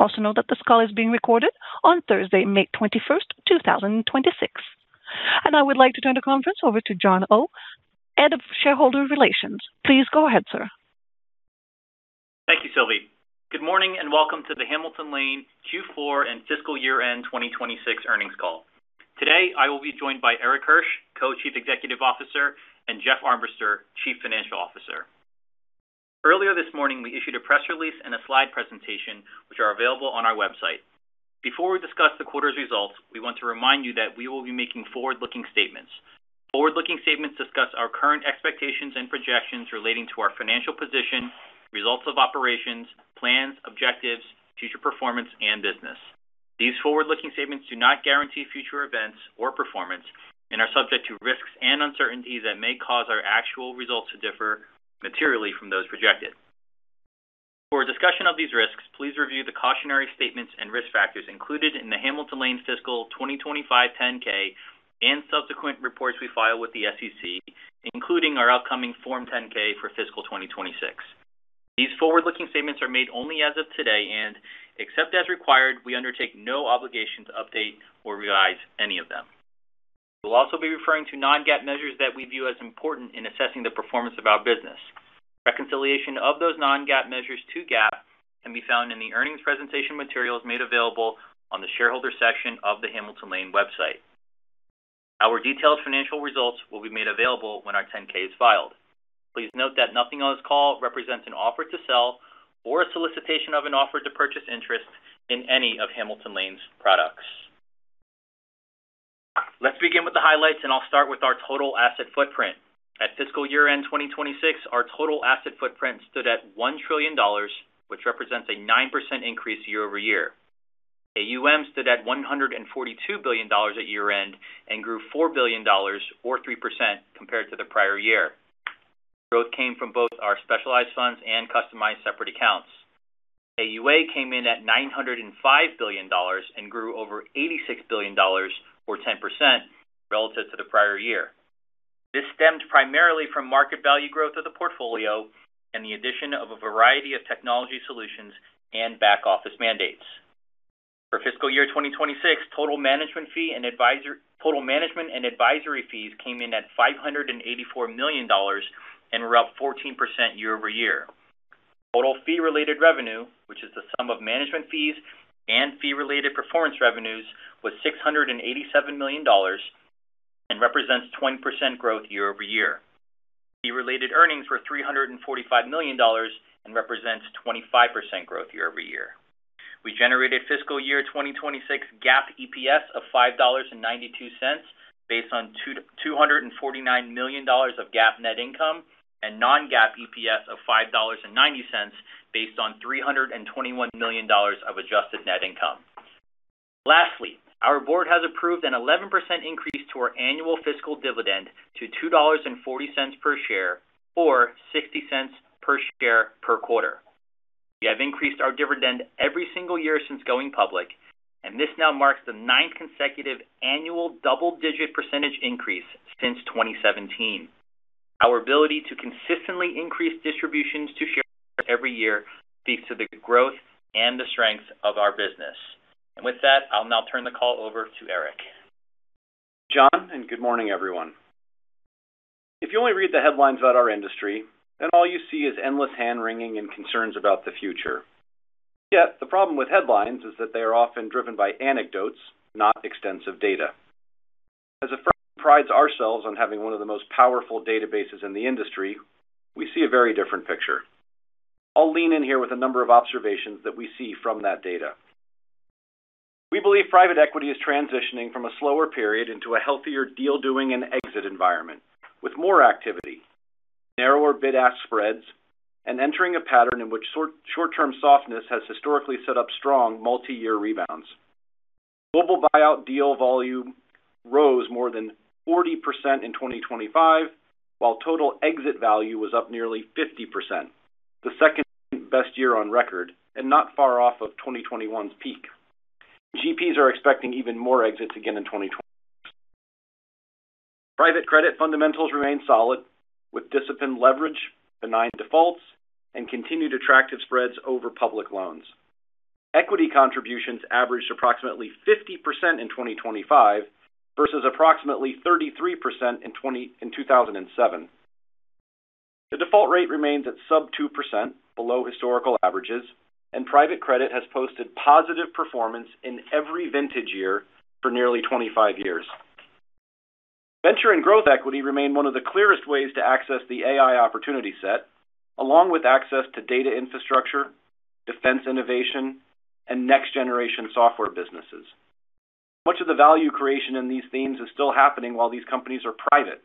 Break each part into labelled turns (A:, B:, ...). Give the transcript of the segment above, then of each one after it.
A: Also know that this call is being recorded on Thursday, May 21st, 2026. I would like to turn the conference over to John Oh, Head of Shareholder Relations. Please go ahead, sir.
B: Thank you, Sylvie. Good morning, and welcome to the Hamilton Lane Q4 and fiscal year-end 2026 earnings call. Today, I will be joined by Erik Hirsch, Co-Chief Executive Officer, and Jeff Armbrister, Chief Financial Officer. Earlier this morning, we issued a press release and a slide presentation which are available on our website. Before we discuss the quarter's results, we want to remind you that we will be making forward-looking statements. Forward-looking statements discuss our current expectations and projections relating to our financial position, results of operations, plans, objectives, future performance, and business. These forward-looking statements do not guarantee future events or performance and are subject to risks and uncertainties that may cause our actual results to differ materially from those projected. For a discussion of these risks, please review the cautionary statements and risk factors included in the Hamilton Lane's fiscal 2025 10-K and subsequent reports we file with the SEC, including our upcoming Form 10-K for fiscal 2026. These forward-looking statements are made only as of today, and except as required, we undertake no obligation to update or revise any of them. We'll also be referring to non-GAAP measures that we view as important in assessing the performance of our business. Reconciliation of those non-GAAP measures to GAAP can be found in the earnings presentation materials made available on the Shareholder section of the Hamilton Lane website. Our detailed financial results will be made available when our 10-K is filed. Please note that nothing on this call represents an offer to sell or a solicitation of an offer to purchase interest in any of Hamilton Lane's products. Let's begin with the highlights, and I'll start with our total asset footprint. At fiscal year-end 2026, our total asset footprint stood at $1 trillion, which represents a 9% increase year-over-year. AUM stood at $142 billion at year-end and grew $4 billion, or 3%, compared to the prior year. Growth came from both our specialized funds and customized separate accounts. AUA came in at $905 billion and grew over $86 billion, or 10%, relative to the prior year. This stemmed primarily from market value growth of the portfolio and the addition of a variety of technology solutions and back-office mandates. For fiscal year 2026, total management and advisory fees came in at $584 million and were up 14% year-over-year. Total fee-related revenue, which is the sum of management fees and fee-related performance revenues, was $687 million and represents 20% growth year-over-year. Fee-related earnings were $345 million and represents 25% growth year-over-year. We generated fiscal year 2026 GAAP EPS of $5.92, based on $249 million of GAAP net income, and non-GAAP EPS of $5.90, based on $321 million of adjusted net income. Lastly, our Board has approved an 11% increase to our annual fiscal dividend to $2.40 per share, or $0.60 per share per quarter. We have increased our dividend every single year since going public, and this now marks the ninth consecutive annual double-digit percentage increase since 2017. Our ability to consistently increase distributions to shareholders every year speaks to the growth and the strength of our business. With that, I'll now turn the call over to Erik.
C: John. Good morning, everyone. If you only read the headlines about our industry, all you see is endless hand-wringing and concerns about the future. The problem with headlines is that they are often driven by anecdotes, not extensive data. As a firm who prides ourselves on having one of the most powerful databases in the industry, we see a very different picture. I'll lean in here with a number of observations that we see from that data. We believe private equity is transitioning from a slower period into a healthier deal-doing and exit environment with more activity, narrower bid-ask spreads, and entering a pattern in which short-term softness has historically set up strong multi-year rebounds. Global buyout deal volume rose more than 40% in 2025, while total exit value was up nearly 50%, the second best year on record, and not far off of 2021's peak. GPs are expecting even more exits again in 2026. Private credit fundamentals remain solid, with disciplined leverage, benign defaults, and continued attractive spreads over public loans. Equity contributions averaged approximately 50% in 2025 versus approximately 33% in 2007. The default rate remains at sub-2%, below historical averages. Private credit has posted positive performance in every vintage year for nearly 25 years. Venture and growth equity remain one of the clearest ways to access the AI opportunity set, along with access to data infrastructure, defense innovation, and next-generation software businesses. Much of the value creation in these themes is still happening while these companies are private,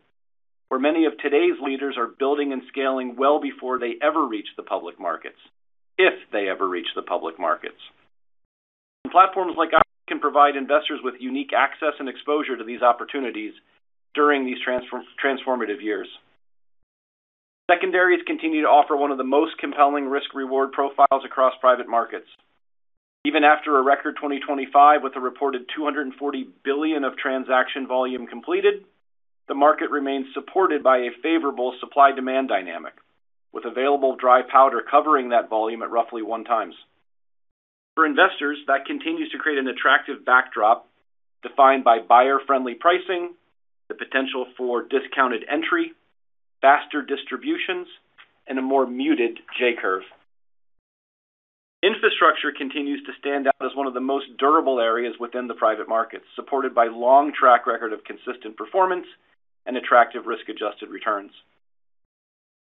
C: where many of today's leaders are building and scaling well before they ever reach the public markets, if they ever reach the public markets. Platforms like ours can provide investors with unique access and exposure to these opportunities during these transformative years. Secondaries continue to offer one of the most compelling risk-reward profiles across private markets. Even after a record 2025 with a reported $240 billion of transaction volume completed. The market remains supported by a favorable supply-demand dynamic, with available dry powder covering that volume at roughly 1x. For investors, that continues to create an attractive backdrop defined by buyer-friendly pricing, the potential for discounted entry, faster distributions, and a more muted J-curve. Infrastructure continues to stand out as one of the most durable areas within the private markets, supported by long track record of consistent performance and attractive risk-adjusted returns.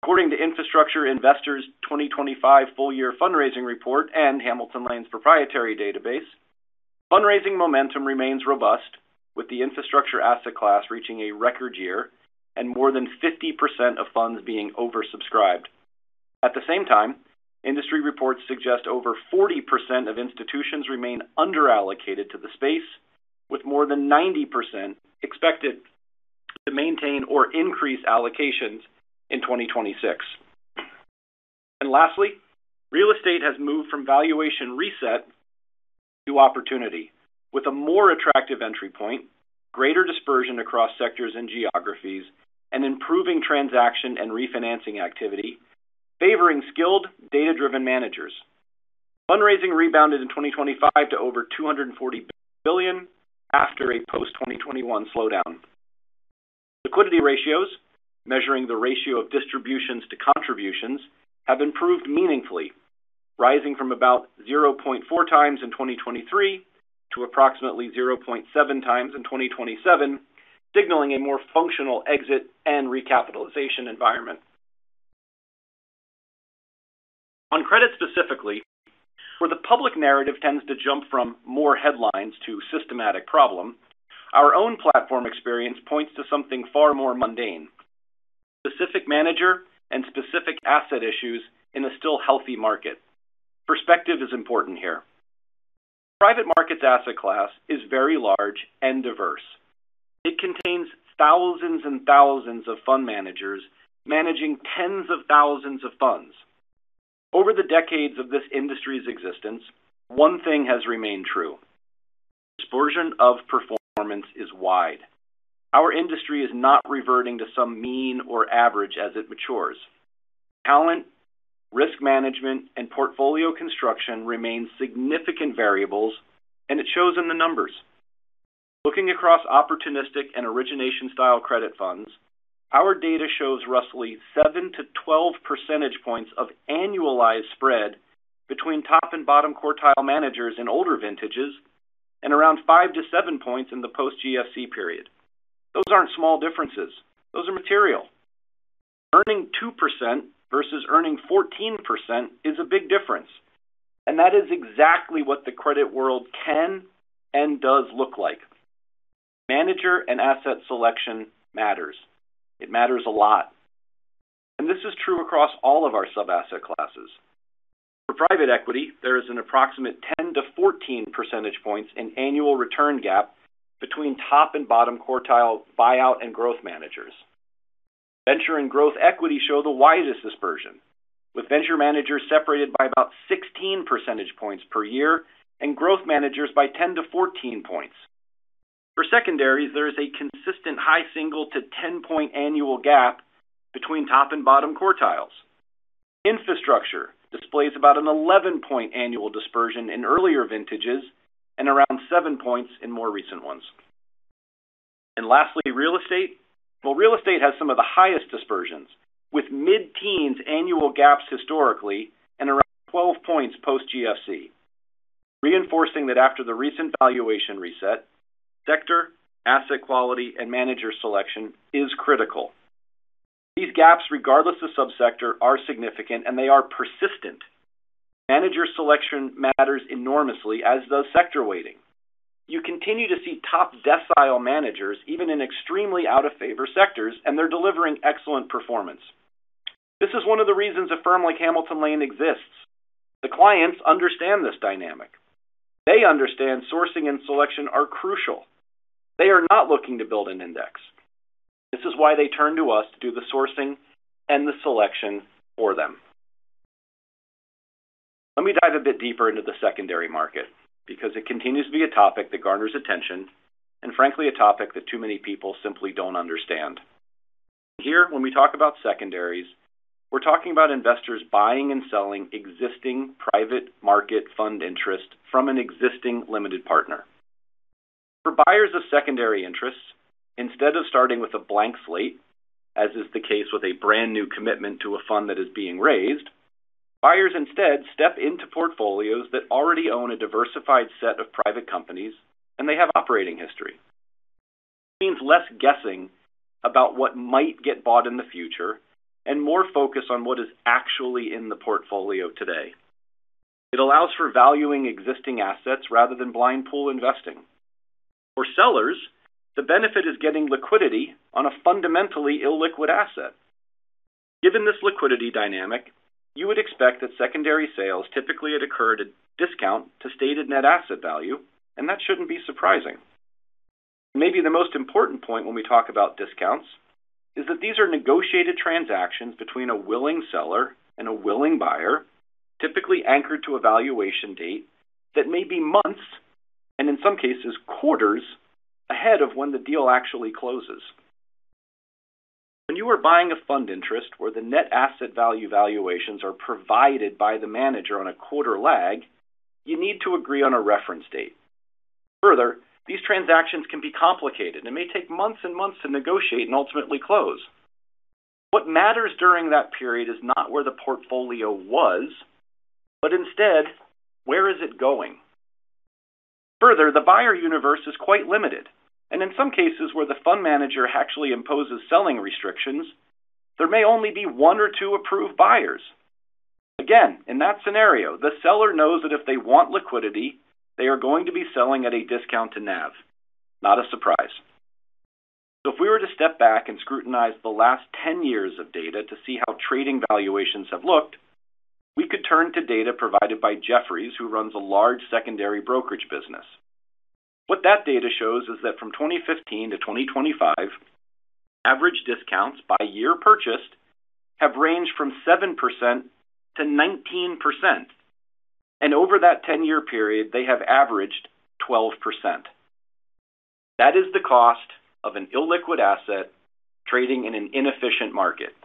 C: According to Infrastructure Investor's 2025 full-year fundraising report and Hamilton Lane's proprietary database, fundraising momentum remains robust, with the infrastructure asset class reaching a record year and more than 50% of funds being oversubscribed. At the same time, industry reports suggest over 40% of institutions remain under-allocated to the space, with more than 90% expected to maintain or increase allocations in 2026. Lastly, real estate has moved from valuation reset to opportunity, with a more attractive entry point, greater dispersion across sectors and geographies, and improving transaction and refinancing activity, favoring skilled data-driven managers. Fundraising rebounded in 2025 to over $240 billion after a post-2021 slowdown. Liquidity ratios, measuring the ratio of distributions to contributions, have improved meaningfully, rising from about 0.4x in 2023 to approximately 0.7x in 2027, signaling a more functional exit and recapitalization environment. On credit specifically, where the public narrative tends to jump from more headlines to systematic problem, our own platform experience points to something far more mundane, specific manager and specific asset issues in a still healthy market. Perspective is important here. Private markets asset class is very large and diverse. It contains thousands and thousands of fund managers managing tens of thousands of funds. Over the decades of this industry's existence, one thing has remained true. Dispersion of performance is wide. Our industry is not reverting to some mean or average as it matures. Talent, risk management, and portfolio construction remain significant variables, and it shows in the numbers. Looking across opportunistic and origination-style credit funds, our data shows roughly 7 percentage points-12 percentage points of annualized spread between top and bottom quartile managers in older vintages, and around 5 points-7 points in the post-GFC period. Those aren't small differences. Those are material. Earning 2% versus earning 14% is a big difference. That is exactly what the credit world can and does look like. Manager and asset selection matters. It matters a lot. This is true across all of our sub-asset classes. For private equity, there is an approximate 10 percentage points-14 percentage points in annual return gap between top and bottom quartile buyout and growth managers. Venture and growth equity show the widest dispersion, with venture managers separated by about 16 percentage points per year, and growth managers by 10 points-14 points. For secondaries, there is a consistent high single to 10-point annual gap between top and bottom quartiles. Infrastructure displays about an 11-point annual dispersion in earlier vintages, and around 7 points in more recent ones. Lastly, real estate. Well, real estate has some of the highest dispersions, with mid-teens annual gaps historically and around 12 points post-GFC, reinforcing that after the recent valuation reset, sector, asset quality, and manager selection is critical. These gaps, regardless of sub-sector, are significant, and they are persistent. Manager selection matters enormously as does sector weighting. You continue to see top decile managers even in extremely out-of-favor sectors, and they're delivering excellent performance. This is one of the reasons a firm like Hamilton Lane exists. The clients understand this dynamic. They understand sourcing and selection are crucial. They are not looking to build an index. This is why they turn to us to do the sourcing and the selection for them. Let me dive a bit deeper into the secondary market because it continues to be a topic that garners attention, and frankly, a topic that too many people simply don't understand. Here, when we talk about secondaries, we're talking about investors buying and selling existing private market fund interest from an existing limited partner. For buyers of secondary interests, instead of starting with a blank slate, as is the case with a brand-new commitment to a fund that is being raised, buyers instead step into portfolios that already own a diversified set of private companies, and they have operating history. It means less guessing about what might get bought in the future and more focus on what is actually in the portfolio today. It allows for valuing existing assets rather than blind pool investing. For sellers, the benefit is getting liquidity on a fundamentally illiquid asset. Given this liquidity dynamic, you would expect that secondary sales typically occur at a discount to stated net asset value, and that shouldn't be surprising. Maybe the most important point when we talk about discounts is that these are negotiated transactions between a willing seller and a willing buyer, typically anchored to a valuation date that may be months, and in some cases quarters, ahead of when the deal actually closes. When you are buying a fund interest where the net asset value valuations are provided by the manager on a quarter lag, you need to agree on a reference date. Further, these transactions can be complicated and may take months and months to negotiate and ultimately close. What matters during that period is not where the portfolio was, but instead where is it going. Further, the buyer universe is quite limited. In some cases, where the fund manager actually imposes selling restrictions, there may only be one or two approved buyers. In that scenario, the seller knows that if they want liquidity, they are going to be selling at a discount to NAV. Not a surprise. If we were to step back and scrutinize the last 10 years of data to see how trading valuations have looked, we could turn to data provided by Jefferies, who runs a large secondary brokerage business. What that data shows is that from 2015-2025, average discounts by year purchased have ranged from 7%-19%. Over that 10-year period, they have averaged 12%. That is the cost of an illiquid asset trading in an inefficient market.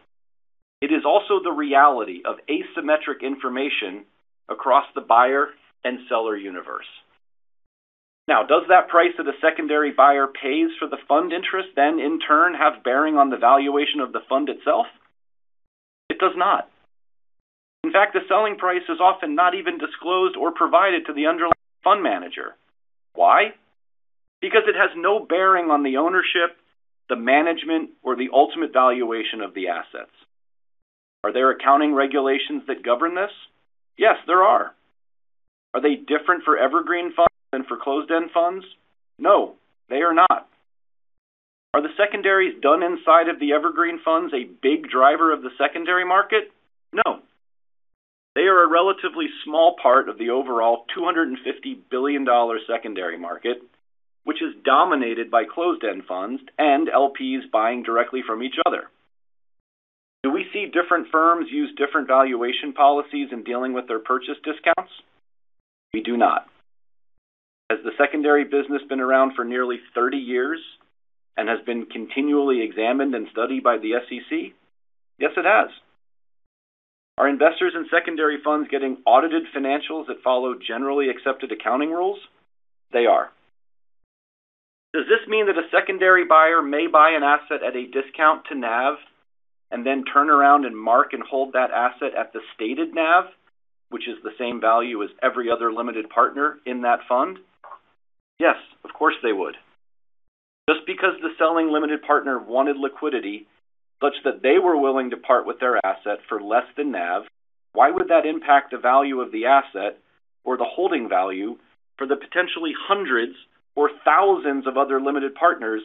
C: It is also the reality of asymmetric information across the buyer and seller universe. Does that price that a secondary buyer pays for the fund interest then in turn have a bearing on the valuation of the fund itself? It does not. In fact, the selling price is often not even disclosed or provided to the underlying fund manager. Why? Because it has no bearing on the ownership, the management, or the ultimate valuation of the assets. Are there accounting regulations that govern this? Yes, there are. Are they different for evergreen funds than for closed-end funds? No, they are not. Are the secondaries done inside of the evergreen funds a big driver of the secondary market? No. They are a relatively small part of the overall $250 billion secondary market, which is dominated by closed-end funds and LPs buying directly from each other. Do we see different firms use different valuation policies in dealing with their purchase discounts? We do not. Has the secondary business been around for nearly 30 years and has been continually examined and studied by the SEC? Yes, it has. Are investors in secondary funds getting audited financials that follow generally accepted accounting rules? They are. Does this mean that a secondary buyer may buy an asset at a discount to NAV and then turn around and mark and hold that asset at the stated NAV, which is the same value as every other limited partner in that fund? Yes, of course they would. Just because the selling limited partner wanted liquidity such that they were willing to part with their asset for less than NAV, why would that impact the value of the asset or the holding value for the potentially hundreds or thousands of other limited partners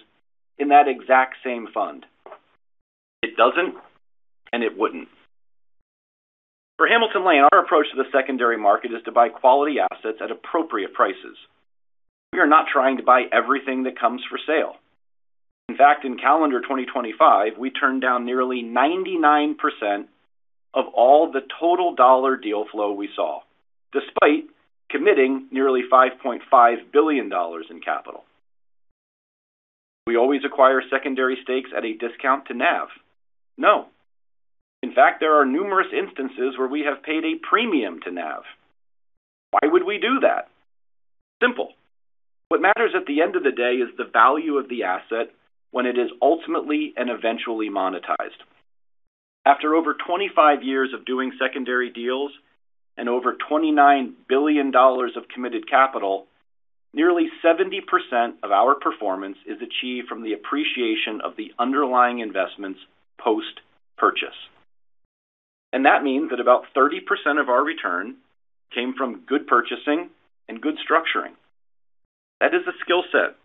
C: in that exact same fund? It doesn't and it wouldn't. For Hamilton Lane, our approach to the secondary market is to buy quality assets at appropriate prices. We are not trying to buy everything that comes for sale. In fact, in calendar 2025, we turned down nearly 99% of all the total dollar deal flow we saw, despite committing nearly $5.5 billion in capital. We always acquire secondary stakes at a discount to NAV. No. In fact, there are numerous instances where we have paid a premium to NAV. Why would we do that? Simple. What matters at the end of the day is the value of the asset when it is ultimately and eventually monetized. After over 25 years of doing secondary deals and over $29 billion of committed capital, nearly 70% of our performance is achieved from the appreciation of the underlying investments post-purchase. That means that about 30% of our return came from good purchasing and good structuring. That is a skill set.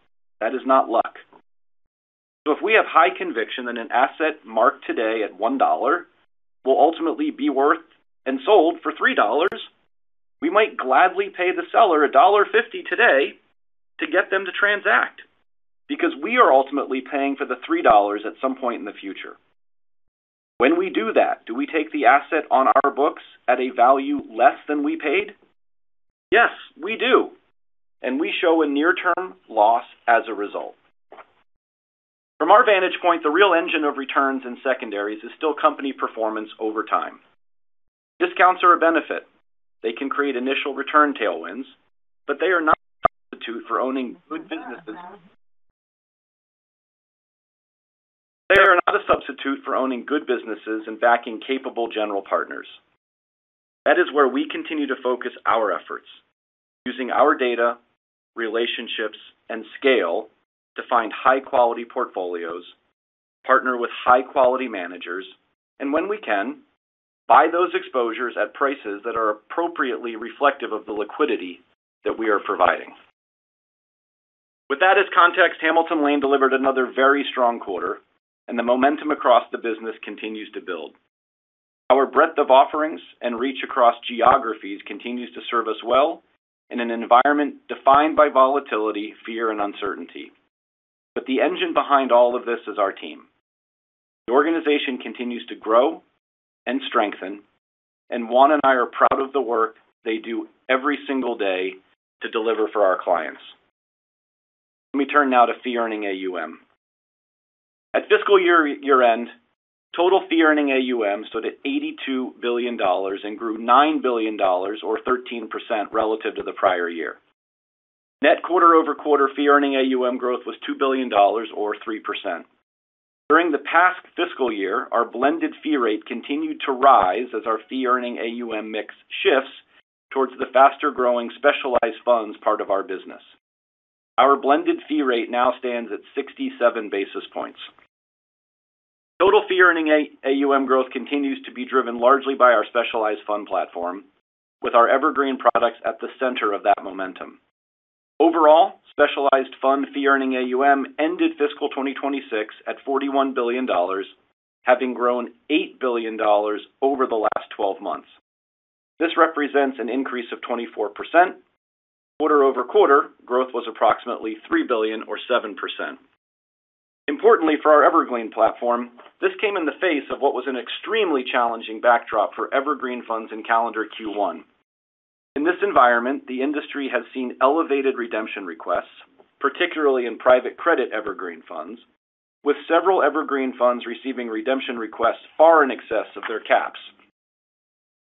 C: That is not luck. If we have high conviction that an asset marked today at $1 will ultimately be worth and sold for $3, we might gladly pay the seller $1.50 today to get them to transact, because we are ultimately paying for the $3 at some point in the future. When we do that, do we take the asset on our books at a value less than we paid? Yes, we do. We show a near-term loss as a result. From our vantage point, the real engine of returns in secondaries is still company performance over time. Discounts are a benefit. They can create initial return tailwinds, but they are not a substitute for owning good businesses. They are not a substitute for owning good businesses and backing capable general partners. That is where we continue to focus our efforts, using our data, relationships, and scale to find high-quality portfolios, partner with high-quality managers, and when we can, buy those exposures at prices that are appropriately reflective of the liquidity that we are providing. With that as context, Hamilton Lane delivered another very strong quarter, and the momentum across the business continues to build. Our breadth of offerings and reach across geographies continues to serve us well in an environment defined by volatility, fear, and uncertainty. The engine behind all of this is our team. The organization continues to grow and strengthen, and Juan and I are proud of the work they do every single day to deliver for our clients. Let me turn now to fee-earning AUM. At fiscal year end, total fee-earning AUM stood at $82 billion and grew $9 billion or 13% relative to the prior year. Net quarter-over-quarter fee-earning AUM growth was $2 billion or 3%. During the past fiscal year, our blended fee rate continued to rise as our fee-earning AUM mix shifts towards the faster-growing specialized funds part of our business. Our blended fee rate now stands at 67 basis points. Total fee-earning AUM growth continues to be driven largely by our specialized fund platform, with our Evergreen products at the center of that momentum. Overall, specialized fund fee-earning AUM ended fiscal 2026 at $41 billion, having grown $8 billion over the last 12 months. This represents an increase of 24%. Quarter-over-quarter growth was approximately $3 billion or 7%. Importantly for our Evergreen platform, this came in the face of what was an extremely challenging backdrop for evergreen funds in calendar Q1. In this environment, the industry has seen elevated redemption requests, particularly in private credit evergreen funds, with several evergreen funds receiving redemption requests far in excess of their caps.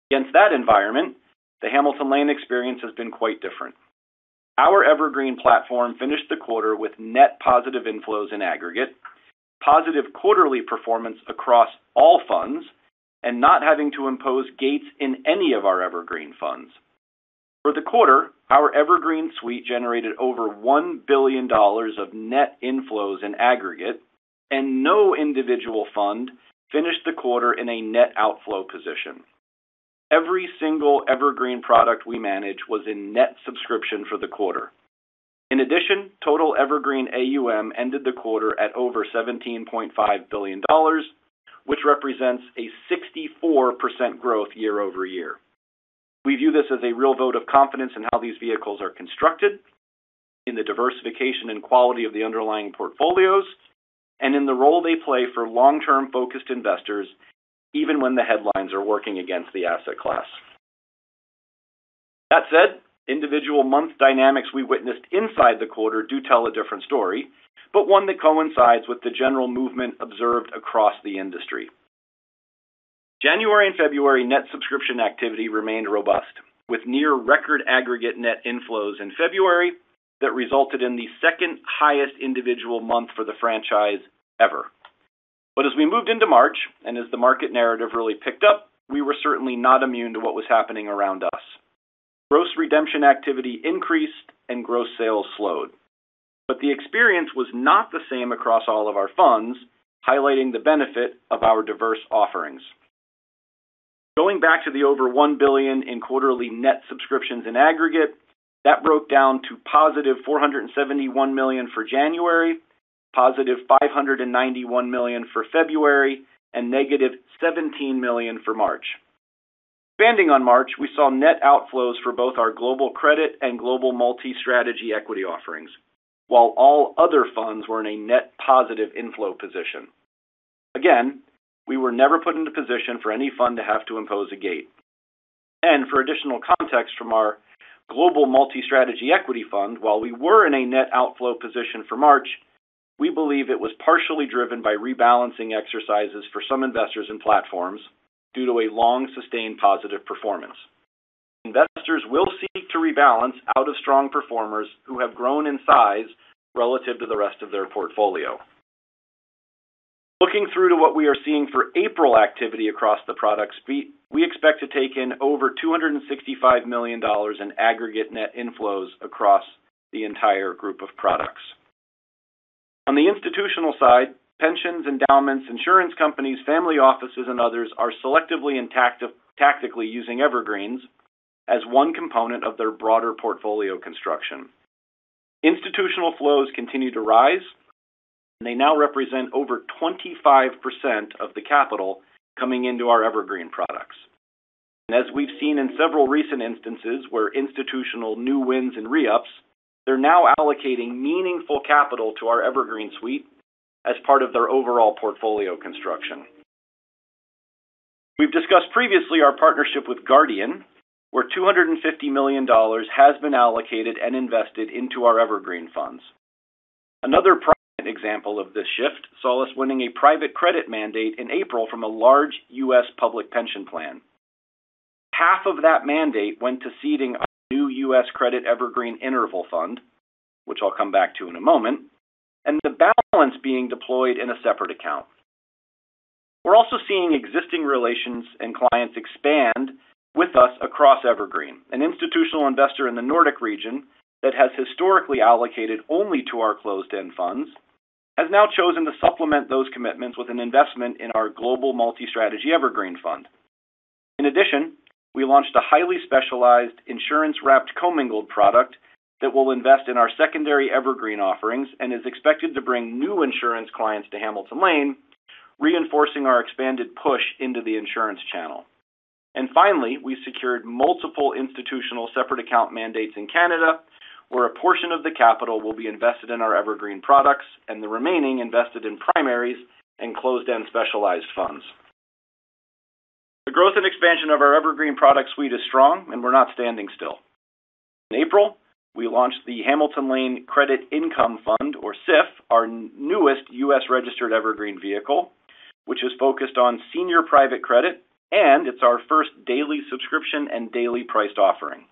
C: Against that environment, the Hamilton Lane experience has been quite different. Our Evergreen platform finished the quarter with net positive inflows in aggregate, positive quarterly performance across all funds, and not having to impose gates in any of our evergreen funds. For the quarter, our Evergreen suite generated over $1 billion of net inflows in aggregate, and no individual fund finished the quarter in a net outflow position. Every single Evergreen product we manage was in net subscription for the quarter. In addition, total evergreen AUM ended the quarter at over $17.5 billion, which represents a 64% growth year-over-year. We view this as a real vote of confidence in how these vehicles are constructed, in the diversification and quality of the underlying portfolios, and in the role they play for long-term-focused investors, even when the headlines are working against the asset class. Individual month dynamics we witnessed inside the quarter do tell a different story, but one that coincides with the general movement observed across the industry. January and February net subscription activity remained robust, with near record aggregate net inflows in February that resulted in the second highest individual month for the franchise ever. As we moved into March, and as the market narrative really picked up, we were certainly not immune to what was happening around us. Gross redemption activity increased and gross sales slowed. The experience was not the same across all of our funds, highlighting the benefit of our diverse offerings. Going back to the over $1 billion in quarterly net subscriptions in aggregate, that broke down to positive $471 million for January, positive $591 million for February, and negative $17 million for March. Expanding on March, we saw net outflows for both our Global Credit and Global Multi-Strategy Equity offerings, while all other funds were in a net positive inflow position. Again, we were never put into position for any fund to have to impose a gate. For additional context from our Global Multi-Strategy Equity fund, while we were in a net outflow position for March, we believe it was partially driven by rebalancing exercises for some investors and platforms due to a long-sustained positive performance. Investors will seek to rebalance out of strong performers who have grown in size relative to the rest of their portfolio. Looking through to what we are seeing for April activity across the product suite, we expect to take in over $265 million in aggregate net inflows across the entire group of products. On the institutional side, pensions, endowments, insurance companies, family offices, and others are selectively and tactically using Evergreen as one component of their broader portfolio construction. Institutional flows continue to rise, they now represent over 25% of the capital coming into our Evergreen products. As we've seen in several recent instances where institutional new wins and re-ups, they're now allocating meaningful capital to our Evergreen suite as part of their overall portfolio construction. We've discussed previously our partnership with Guardian, where $250 million has been allocated and invested into our evergreen funds. Another prime example of this shift saw us winning a private credit mandate in April from a large U.S. public pension plan. Half of that mandate went to seeding a new U.S. credit evergreen interval fund, which I'll come back to in a moment, and the balance being deployed in a separate account. We're also seeing existing relations and clients expand with us across Evergreen. An institutional investor in the Nordic region that has historically allocated only to our closed-end funds has now chosen to supplement those commitments with an investment in our global multi-strategy evergreen fund. In addition, we launched a highly specialized insurance-wrapped commingled product that will invest in our secondary Evergreen offerings and is expected to bring new insurance clients to Hamilton Lane, reinforcing our expanded push into the insurance channel. Finally, we secured multiple institutional separate account mandates in Canada, where a portion of the capital will be invested in our Evergreen products and the remaining invested in primaries and closed-end specialized funds. The growth and expansion of our Evergreen product suite is strong. We're not standing still. In April, we launched the Hamilton Lane Credit Income Fund, or CIF, our newest U.S.-registered evergreen vehicle, which is focused on senior private credit. It's our first daily subscription and daily priced offering.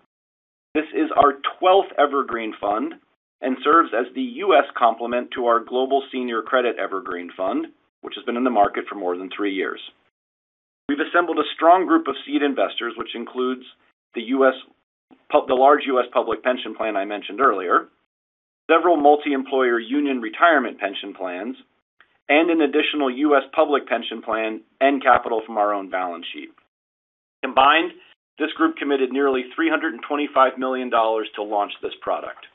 C: This is our 12th evergreen fund and serves as the U.S. complement to our Global Senior Credit Evergreen Fund, which has been in the market for more than three years. We've assembled a strong group of seed investors, which includes the large U.S. public pension plan I mentioned earlier, several multi-employer union retirement pension plans, and an additional U.S. public pension plan, and capital from our own balance sheet. Combined, this group committed nearly $325 million to launch this product.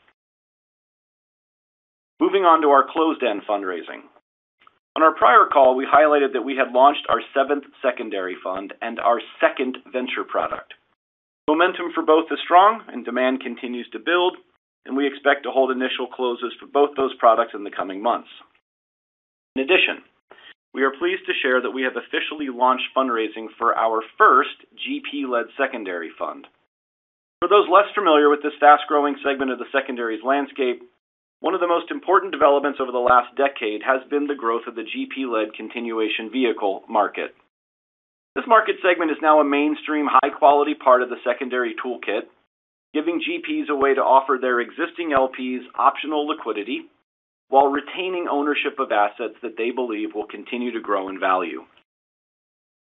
C: Moving on to our closed-end fundraising. On our prior call, we highlighted that we had launched our seventh secondary fund and our second venture product. Momentum for both is strong and demand continues to build, and we expect to hold initial closes for both those products in the coming months. In addition, we are pleased to share that we have officially launched fundraising for our first GP-led secondary fund. For those less familiar with this fast-growing segment of the secondaries landscape, one of the most important developments over the last decade has been the growth of the GP-led continuation vehicle market. This market segment is now a mainstream, high-quality part of the secondary toolkit, giving GPs a way to offer their existing LPs optional liquidity while retaining ownership of assets that they believe will continue to grow in value.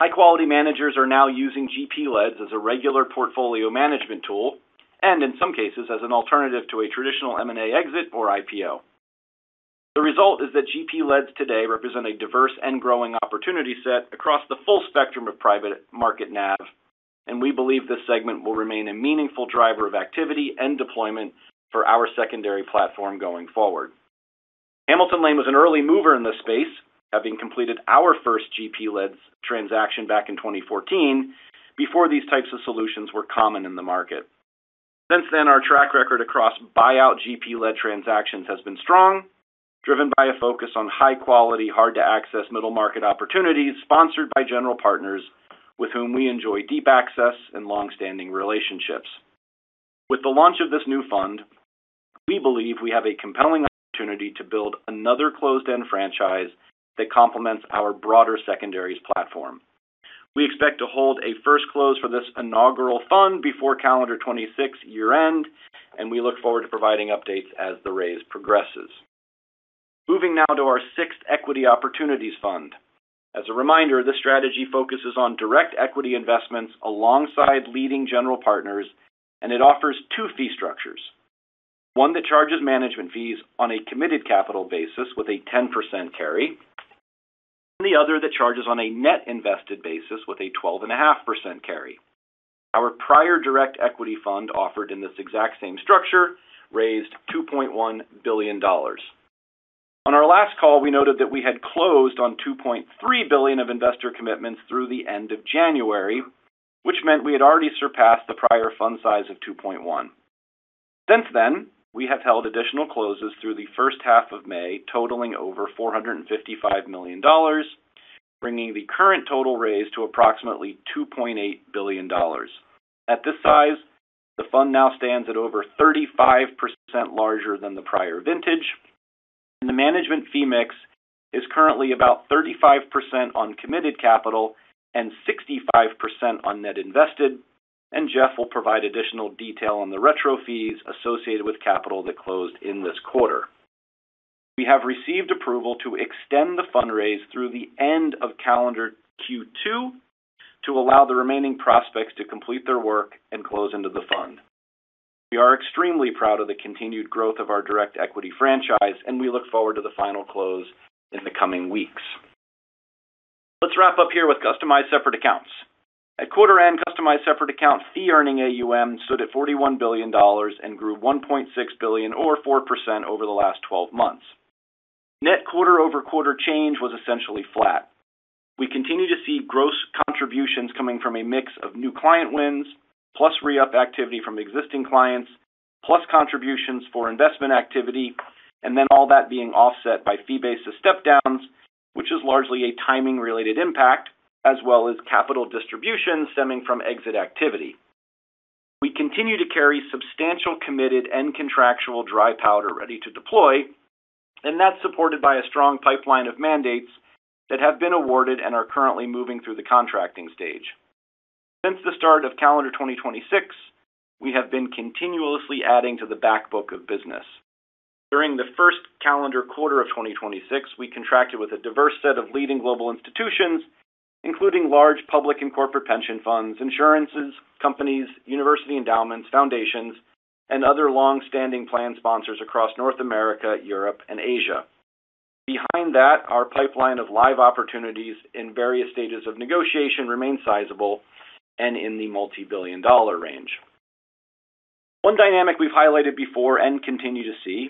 C: High-quality managers are now using GP-leds as a regular portfolio management tool and, in some cases, as an alternative to a traditional M&A exit or IPO. The result is that GP-leds today represent a diverse and growing opportunity set across the full spectrum of private market NAV, and we believe this segment will remain a meaningful driver of activity and deployment for our secondary platform going forward. Hamilton Lane was an early mover in this space, having completed our first GP-led transaction back in 2014 before these types of solutions were common in the market. Since then, our track record across buyout GP-led transactions has been strong, driven by a focus on high-quality, hard-to-access middle-market opportunities sponsored by general partners with whom we enjoy deep access and long-standing relationships. With the launch of this new fund, we believe we have a compelling opportunity to build another closed-end franchise that complements our broader secondaries platform. We expect to hold a first close for this inaugural fund before calendar 2026 year-end, and we look forward to providing updates as the raise progresses. Moving now to our sixth Equity Opportunities Fund. As a reminder, this strategy focuses on direct equity investments alongside leading general partners, and it offers two fee structures. One that charges management fees on a committed capital basis with a 10% carry, and the other that charges on a net invested basis with a 12.5% carry. Our prior direct equity fund offered in this exact same structure raised $2.1 billion. On our last call, we noted that we had closed on $2.3 billion of investor commitments through the end of January, which meant we had already surpassed the prior fund size of $2.1 billion. Since then, we have held additional closes through the first half of May, totaling over $455 million, bringing the current total raise to approximately $2.8 billion. At this size, the fund now stands at over 35% larger than the prior vintage. The management fee mix is currently about 35% on committed capital and 65% on net invested. Jeff will provide additional detail on the retro fees associated with capital that closed in this quarter. We have received approval to extend the fundraise through the end of calendar Q2 to allow the remaining prospects to complete their work and close into the fund. We are extremely proud of the continued growth of our direct equity franchise, and we look forward to the final close in the coming weeks. Let's wrap up here with customized separate accounts. At quarter end, customized separate account fee-earning AUM stood at $41 billion and grew $1.6 billion or 4% over the last 12 months. Net quarter-over-quarter change was essentially flat. We continue to see gross contributions coming from a mix of new client wins, plus re-up activity from existing clients, plus contributions for investment activity, and then all that being offset by fee-based step downs, which is largely a timing-related impact, as well as capital distribution stemming from exit activity. We continue to carry substantial committed and contractual dry powder ready to deploy, and that's supported by a strong pipeline of mandates that have been awarded and are currently moving through the contracting stage. Since the start of calendar 2026, we have been continuously adding to the back book of business. During the first calendar quarter of 2026, we contracted with a diverse set of leading global institutions, including large public and corporate pension funds, insurance companies, university endowments, foundations, and other long-standing plan sponsors across North America, Europe, and Asia. Behind that, our pipeline of live opportunities in various stages of negotiation remains sizable and in the multi-billion-dollar range. One dynamic we've highlighted before and continue to see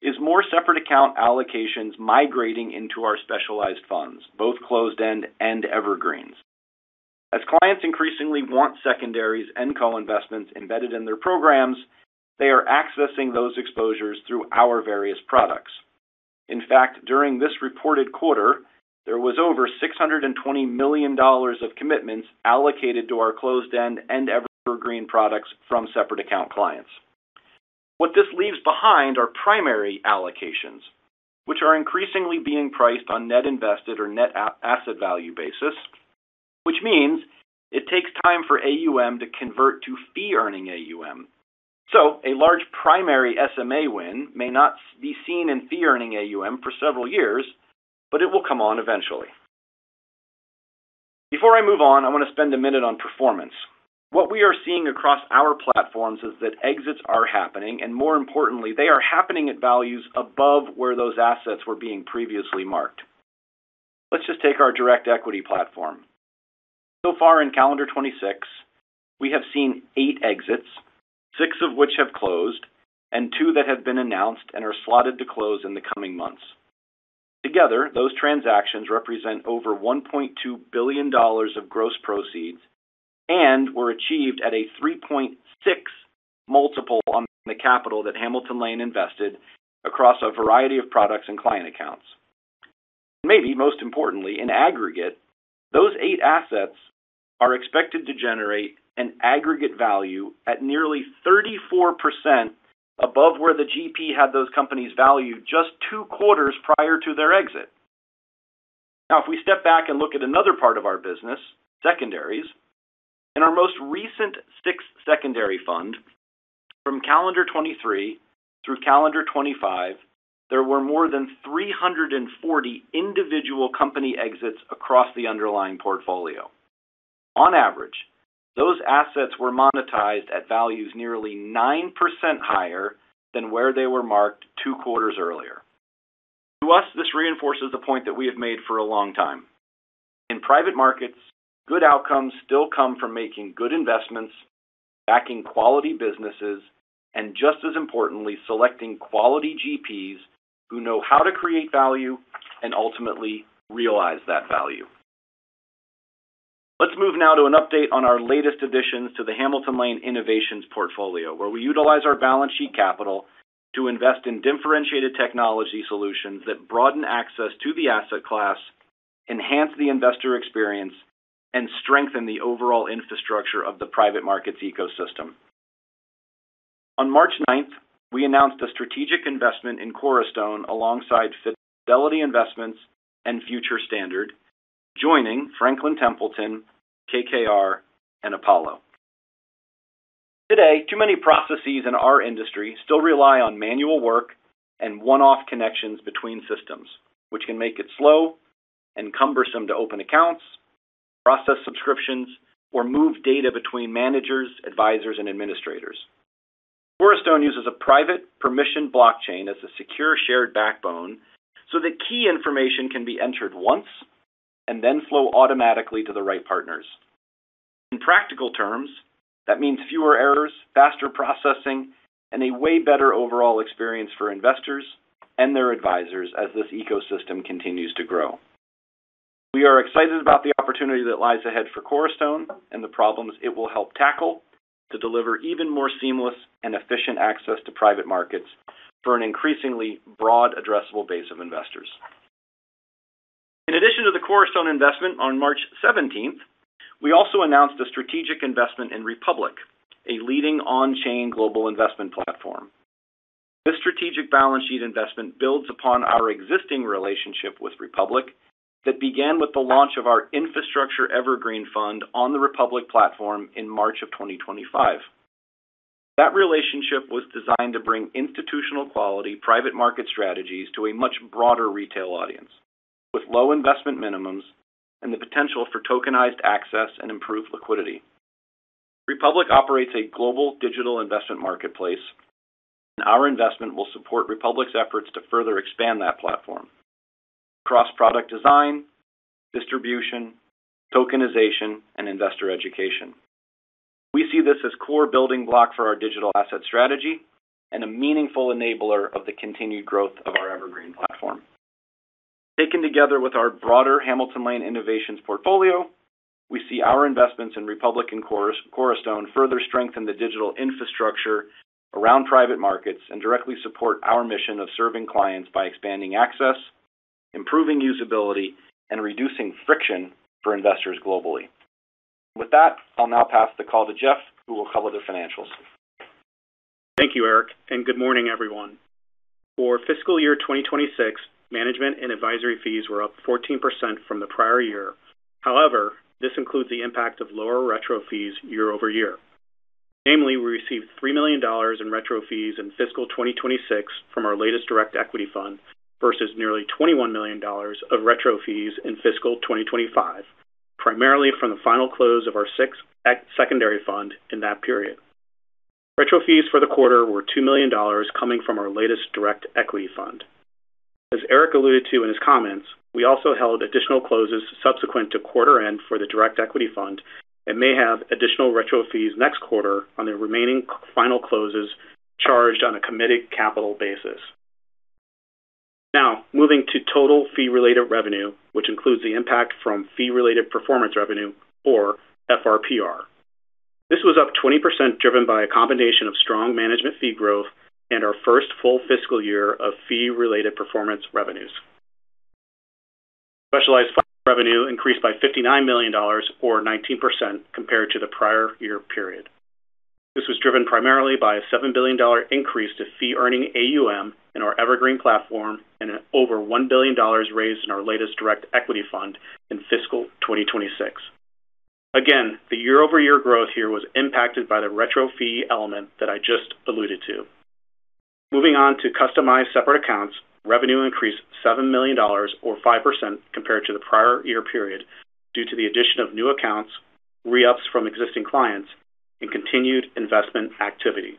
C: is more separate account allocations migrating into our specialized funds, both closed-end and Evergreens. As clients increasingly want secondaries and co-investments embedded in their programs, they are accessing those exposures through our various products. In fact, during this reported quarter, there was over $620 million of commitments allocated to our closed-end and Evergreen products from separate account clients. What this leaves behind are primary allocations, which are increasingly being priced on net invested or net asset value basis, which means it takes time for AUM to convert to fee-earning AUM. A large primary SMA win may not be seen in fee-earning AUM for several years, but it will come on eventually. Before I move on, I want to spend a minute on performance. What we are seeing across our platforms is that exits are happening. More importantly, they are happening at values above where those assets were being previously marked. Let's just take our direct equity platform. Far in calendar 2026, we have seen eight exits, six of which have closed, and two that have been announced and are slotted to close in the coming months. Together, those transactions represent over $1.2 billion of gross proceeds and were achieved at a 3.6 multiple on the capital that Hamilton Lane invested across a variety of products and client accounts. Maybe most importantly, in aggregate, those eight assets are expected to generate an aggregate value at nearly 34% above where the GP had those companies valued just two quarters prior to their exit. If we step back and look at another part of our business, secondaries. In our most recent sixth secondary fund from calendar 2023 through calendar 2025, there were more than 340 individual company exits across the underlying portfolio. On average, those assets were monetized at values nearly 9% higher than where they were marked two quarters earlier. To us, this reinforces the point that we have made for a long time. In private markets, good outcomes still come from making good investments, backing quality businesses, and just as importantly, selecting quality GPs who know how to create value and ultimately realize that value. Let's move now to an update on our latest additions to the Hamilton Lane Innovations portfolio, where we utilize our balance sheet capital to invest in differentiated technology solutions that broaden access to the asset class, enhance the investor experience, and strengthen the overall infrastructure of the private markets ecosystem. On March 9th, we announced a strategic investment in Corastone alongside Fidelity Investments and Future Standard, joining Franklin Templeton, KKR, and Apollo. Today, too many processes in our industry still rely on manual work and one-off connections between systems, which can make it slow and cumbersome to open accounts, process subscriptions, or move data between managers, advisors, and administrators. Corastone uses a private permissioned blockchain as a secure shared backbone so that key information can be entered once and then flow automatically to the right partners. In practical terms, that means fewer errors, faster processing, and a way better overall experience for investors and their advisors as this ecosystem continues to grow. We are excited about the opportunity that lies ahead for Corastone and the problems it will help tackle to deliver even more seamless and efficient access to private markets for an increasingly broad addressable base of investors. In addition to the Corastone investment on March 17th, we also announced a strategic investment in Republic, a leading on-chain global investment platform. This strategic balance sheet investment builds upon our existing relationship with Republic that began with the launch of our infrastructure evergreen fund on the Republic platform in March of 2025. That relationship was designed to bring institutional-quality private market strategies to a much broader retail audience with low investment minimums and the potential for tokenized access and improved liquidity. Republic operates a global digital investment marketplace. Our investment will support Republic's efforts to further expand that platform across product design, distribution, tokenization, and investor education. We see this as core building block for our digital asset strategy and a meaningful enabler of the continued growth of our Evergreen platform. Taken together with our broader Hamilton Lane Innovations portfolio, we see our investments in Republic and Corastone further strengthen the digital infrastructure around private markets and directly support our mission of serving clients by expanding access, improving usability, and reducing friction for investors globally. With that, I'll now pass the call to Jeff, who will cover the financials.
D: Thank you, Erik, and good morning, everyone. For fiscal year 2026, management and advisory fees were up 14% from the prior year. This includes the impact of lower retro fees year-over-year. Namely, we received $3 million in retro fees in fiscal 2026 from our latest direct equity fund, versus nearly $21 million of retro fees in fiscal 2025, primarily from the final close of our sixth secondary fund in that period. Retro fees for the quarter were $2 million coming from our latest direct equity fund. As Erik alluded to in his comments, we also held additional closes subsequent to quarter end for the direct equity fund and may have additional retro fees next quarter on the remaining final closes charged on a committed capital basis. Moving to total fee-related revenue, which includes the impact from fee-related performance revenue or FRPR. This was up 20% driven by a combination of strong management fee growth and our first full fiscal year of fee-related performance revenues. Specialized revenue increased by $59 million, or 19%, compared to the prior-year period. This was driven primarily by a $7 billion increase to fee-earning AUM in our Evergreen platform and over $1 billion raised in our latest direct equity fund in fiscal 2026. Again, the year-over-year growth here was impacted by the retro fee element that I just alluded to. Moving on to customized separate accounts. Revenue increased $7 million, or 5%, compared to the prior-year period due to the addition of new accounts, re-ups from existing clients, and continued investment activity.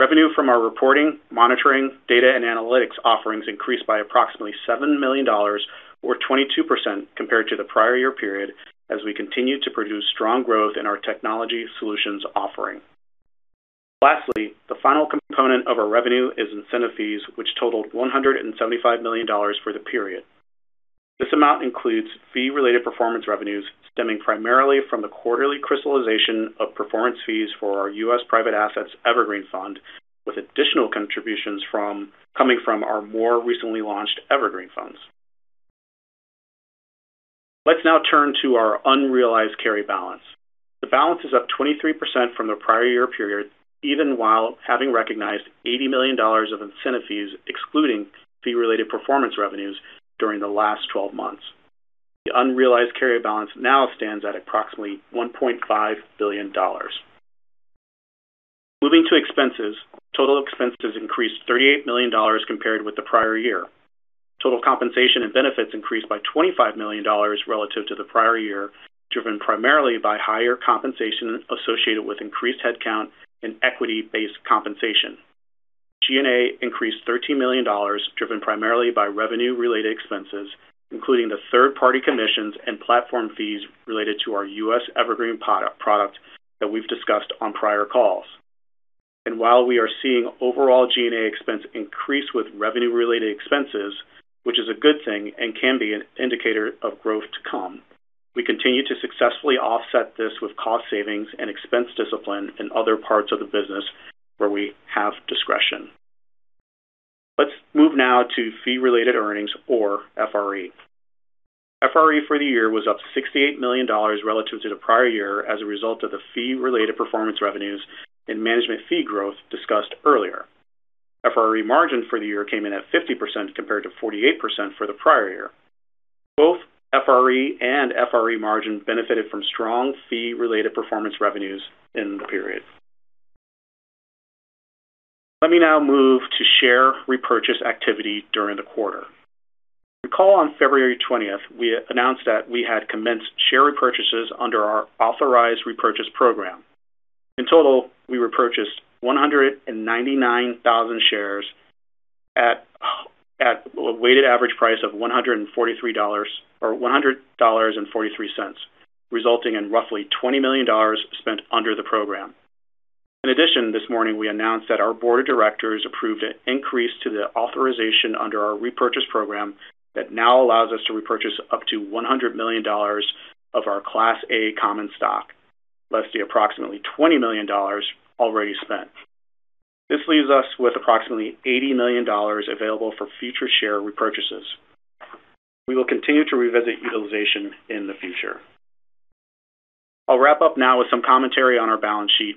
D: Revenue from our reporting, monitoring, data, and analytics offerings increased by approximately $7 million or 22% compared to the prior-year period as we continue to produce strong growth in our technology solutions offering. Lastly, the final component of our revenue is incentive fees, which totaled $175 million for the period. This amount includes fee-related performance revenues stemming primarily from the quarterly crystallization of performance fees for our U.S. Private Assets Evergreen Fund, with additional contributions coming from our more recently launched evergreen funds. Let's now turn to our unrealized carry balance. The balance is up 23% from the prior-year period, even while having recognized $80 million of incentive fees, excluding fee-related performance revenues during the last 12 months. The unrealized carry balance now stands at approximately $1.5 billion. Moving to expenses. Total expenses increased $38 million compared with the prior year. Total compensation and benefits increased by $25 million relative to the prior year, driven primarily by higher compensation associated with increased headcount and equity-based compensation. G&A increased $13 million, driven primarily by revenue-related expenses, including the third-party commissions and platform fees related to our U.S. Evergreen product that we've discussed on prior calls. While we are seeing overall G&A expense increase with revenue-related expenses, which is a good thing and can be an indicator of growth to come, we continue to successfully offset this with cost savings and expense discipline in other parts of the business where we have discretion. Let's move now to fee-related earnings or FRE. FRE for the year was up $68 million relative to the prior year as a result of the fee-related performance revenues and management fee growth discussed earlier. FRE margin for the year came in at 50% compared to 48% for the prior year. Both FRE and FRE margin benefited from strong fee-related performance revenues in the period. Let me now move to share repurchase activity during the quarter. Recall on February 20th, we announced that we had commenced share repurchases under our authorized repurchase program. In total, we repurchased 199,000 shares at a weighted average price of $100.43, resulting in roughly $20 million spent under the program. In addition, this morning we announced that our Board of Directors approved an increase to the authorization under our repurchase program that now allows us to repurchase up to $100 million of our Class A common stock, less the approximately $20 million already spent. This leaves us with approximately $80 million available for future share repurchases. We will continue to revisit utilization in the future. I'll wrap up now with some commentary on our balance sheet.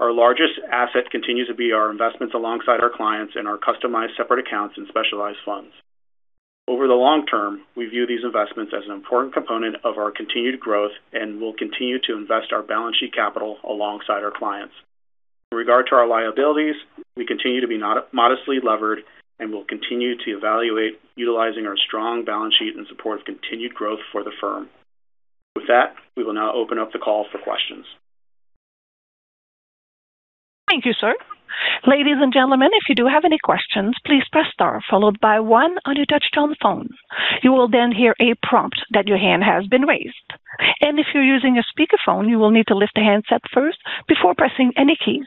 D: Our largest asset continues to be our investments alongside our clients and our customized separate accounts and specialized funds. Over the long term, we view these investments as an important component of our continued growth and will continue to invest our balance sheet capital alongside our clients. In regard to our liabilities, we continue to be modestly levered and will continue to evaluate utilizing our strong balance sheet in support of continued growth for the firm. With that, we will now open up the call for questions.
A: Thank you, sir. Ladies and gentlemen, if you do have any questions, please press star followed by one on your touch-tone phone. You will hear a prompt that your hand has been raised. If you're using a speakerphone, you will need to lift the handset first before pressing any keys.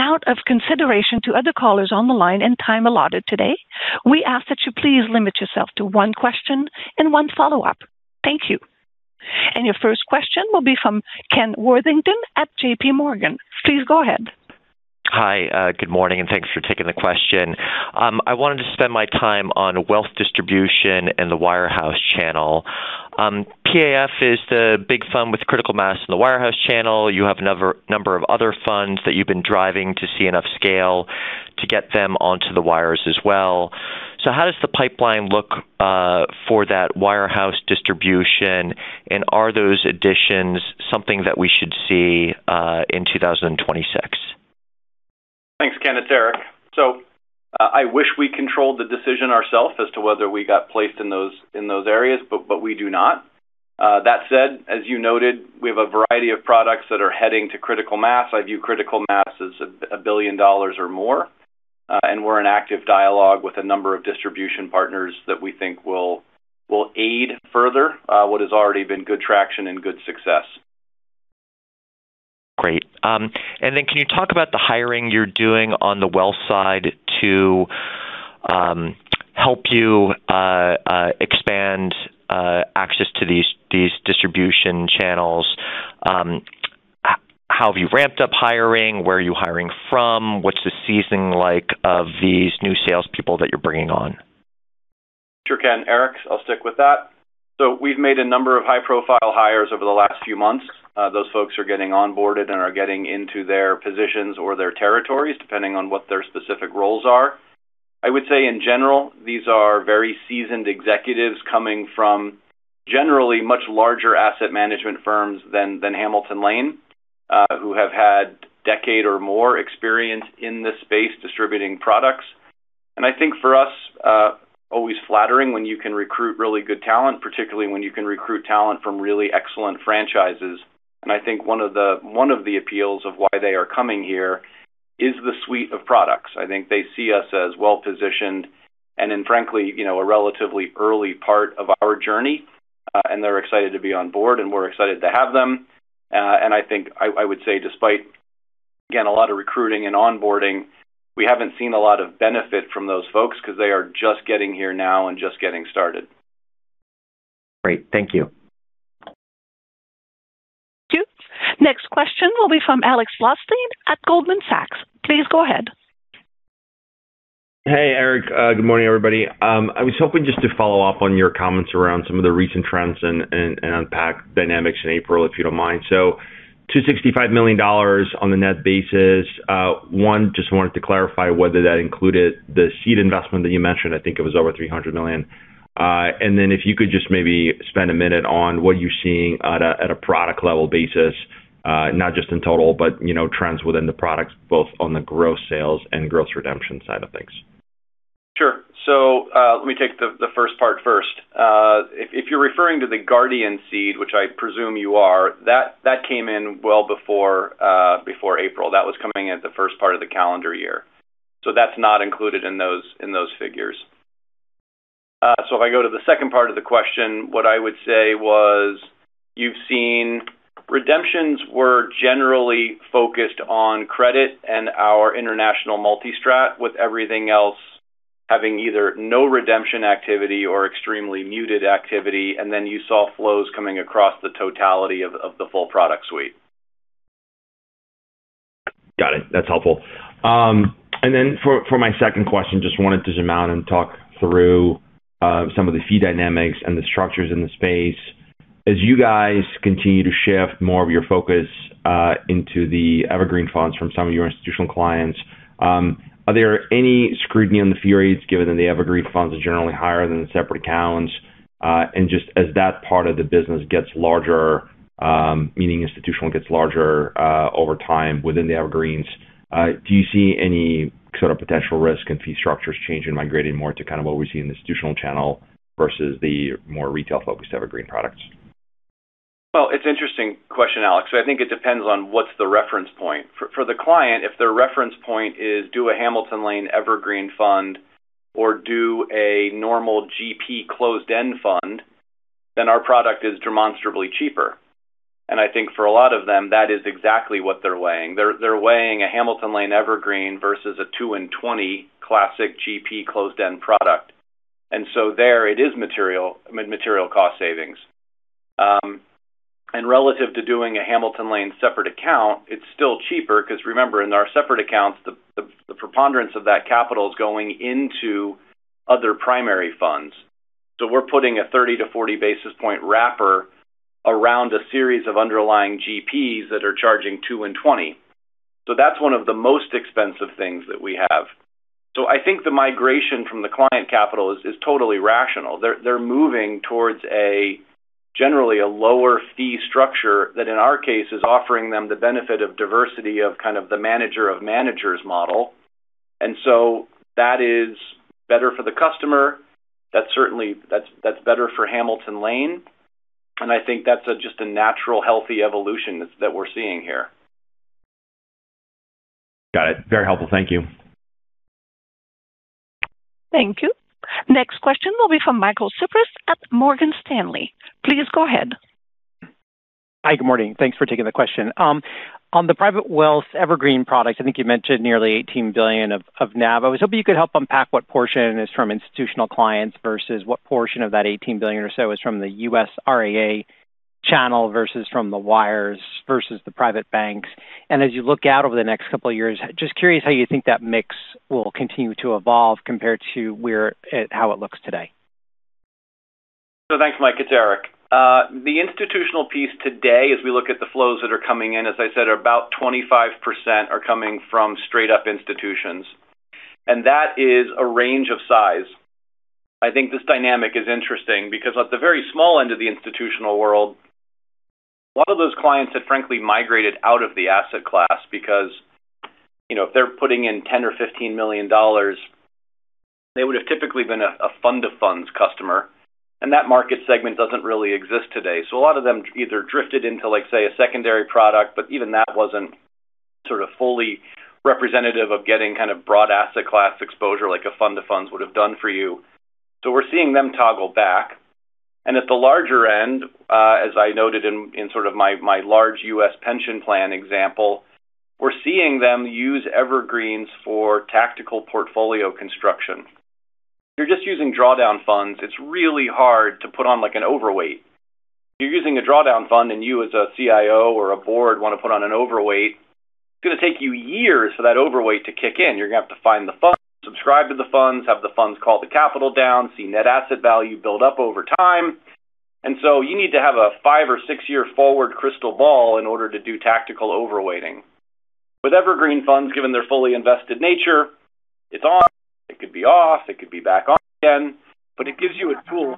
A: Out of consideration to other callers on the line and time allotted today, we ask that you please limit yourself to one question and one follow-up. Thank you. Your first question will be from Ken Worthington at JPMorgan. Please go ahead.
E: Hi. Good morning, and thanks for taking the question. I wanted to spend my time on wealth distribution and the wirehouse channel. PAF is the big fund with critical mass in the wirehouse channel. You have a number of other funds that you've been driving to see enough scale to get them onto the wires as well. How does the pipeline look for that wirehouse distribution, and are those additions something that we should see in 2026?
C: Thanks, Ken. It's Erik. I wish we controlled the decision ourself as to whether we got placed in those areas, but we do not. That said, as you noted, we have a variety of products that are heading to critical mass. I view critical mass as $1 billion or more. We're in active dialogue with a number of distribution partners that we think will aid further what has already been good traction and good success.
E: Great. Can you talk about the hiring you're doing on the wealth side to help you expand access to these distribution channels? How have you ramped up hiring? Where are you hiring from? What's the seasoning like of these new salespeople that you're bringing on?
C: Sure can. Erik's, I'll stick with that. We've made a number of high-profile hires over the last few months. Those folks are getting onboarded and are getting into their positions or their territories, depending on what their specific roles are. I would say, in general, these are very seasoned executives coming from generally much larger asset management firms than Hamilton Lane, who have had decade or more experience in this space distributing products. I think for us, always flattering when you can recruit really good talent, particularly when you can recruit talent from really excellent franchises. I think one of the appeals of why they are coming here is the suite of products. I think they see us as well-positioned and in, frankly, a relatively early part of our journey, and they're excited to be on board, and we're excited to have them. I think, I would say despite, again, a lot of recruiting and onboarding, we haven't seen a lot of benefit from those folks because they are just getting here now and just getting started.
E: Great. Thank you.
A: Thank you. Next question will be from Alex Blostein at Goldman Sachs. Please go ahead.
F: Hey, Erik. Good morning, everybody. I was hoping just to follow up on your comments around some of the recent trends and unpack dynamics in April, if you don't mind. $265 million on the net basis. One, just wanted to clarify whether that included the seed investment that you mentioned? I think it was over $300 million. If you could just maybe spend a minute on what you're seeing at a product-level basis? Not just in total, but trends within the products, both on the gross sales and gross redemption side of things.
C: Sure. Let me take the first part first. If you're referring to the Guardian seed, which I presume you are, that came in well before April. That was coming at the first part of the calendar year. That's not included in those figures. You saw redemptions were generally focused on credit and our international multi-strat, with everything else having either no redemption activity or extremely muted activity. You saw flows coming across the totality of the full product suite.
F: Got it. That's helpful. For my second question, just wanted to zoom out and talk through some of the fee dynamics and the structures in the space. As you guys continue to shift more of your focus into the evergreen funds from some of your institutional clients, are there any scrutiny on the fee rates, given that the evergreen funds are generally higher than the separate accounts? Just as that part of the business gets larger, meaning institutional gets larger over time within the Evergreens, do you see any sort of potential risk in fee structures changing, migrating more to kind of what we see in the institutional channel versus the more retail-focused Evergreen products?
C: It's interesting question, Alex. I think it depends on what's the reference point. For the client, if their reference point is do a Hamilton Lane evergreen fund or do a normal GP closed-end fund, our product is demonstrably cheaper. I think for a lot of them, that is exactly what they're weighing. They're weighing a Hamilton Lane evergreen versus a 2% and 20% classic GP closed-end product. There, it is material cost savings. Relative to doing a Hamilton Lane separate account, it's still cheaper because remember, in our separate accounts, the preponderance of that capital is going into other primary funds. We're putting a 30 basis points-40 basis point wrapper around a series of underlying GPs that are charging 2% and 20%. That's one of the most expensive things that we have. I think the migration from the client capital is totally rational. They're moving towards a generally a lower fee structure that, in our case, is offering them the benefit of diversity of kind of the manager of managers model. That is better for the customer. That's better for Hamilton Lane. I think that's just a natural, healthy evolution that we're seeing here.
F: Got it. Very helpful. Thank you.
A: Thank you. Next question will be from Michael Cyprys at Morgan Stanley. Please go ahead.
G: Hi. Good morning. Thanks for taking the question. On the private wealth Evergreen product, I think you mentioned nearly $18 billion of NAV. I was hoping you could help unpack what portion is from institutional clients versus what portion of that $18 billion or so is from the U.S. RIA channel versus from the wires versus the private banks? As you look out over the next couple of years, just curious how you think that mix will continue to evolve compared to how it looks today?
C: Thanks, Mike. It's Erik. The institutional piece today, as we look at the flows that are coming in, as I said, about 25% are coming from straight up institutions, and that is a range of size. I think this dynamic is interesting because at the very small end of the institutional world, a lot of those clients had frankly migrated out of the asset class because if they're putting in $10 million or $15 million, they would've typically been a fund-of-funds customer, and that market segment doesn't really exist today. A lot of them either drifted into, say, a secondary product, but even that wasn't sort of fully representative of getting broad asset class exposure like a fund-of-funds would've done for you. We're seeing them toggle back. At the larger end, as I noted in my large U.S. pension plan example, we're seeing them use Evergreens for tactical portfolio construction. If you're just using drawdown funds, it's really hard to put on an overweight. If you're using a drawdown fund and you as a CIO or a Board want to put on an overweight, it's going to take you years for that overweight to kick in. You're going to have to find the funds, subscribe to the funds, have the funds call the capital down, see net asset value build up over time. You need to have a five or six-year forward crystal ball in order to do tactical overweighting. With evergreen funds, given their fully invested nature, it's on, it could be off, it could be back on again. It gives you a tool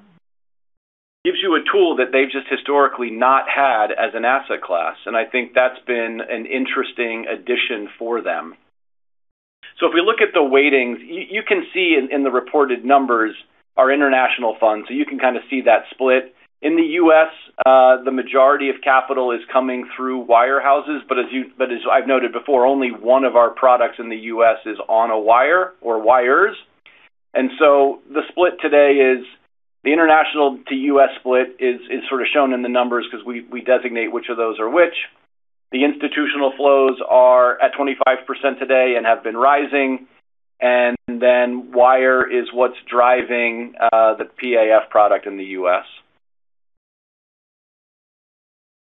C: that they've just historically not had as an asset class.I think that's been an interesting addition for them. If we look at the weightings, you can see in the reported numbers, our international funds. You can kind of see that split. In the U.S., the majority of capital is coming through wirehouses. As I've noted before, only one of our products in the U.S. is on a wire or wires. The international-to-U.S. split is sort of shown in the numbers because we designate which of those are which. The institutional flows are at 25% today and have been rising. Wire is what's driving the PAF product in the U.S.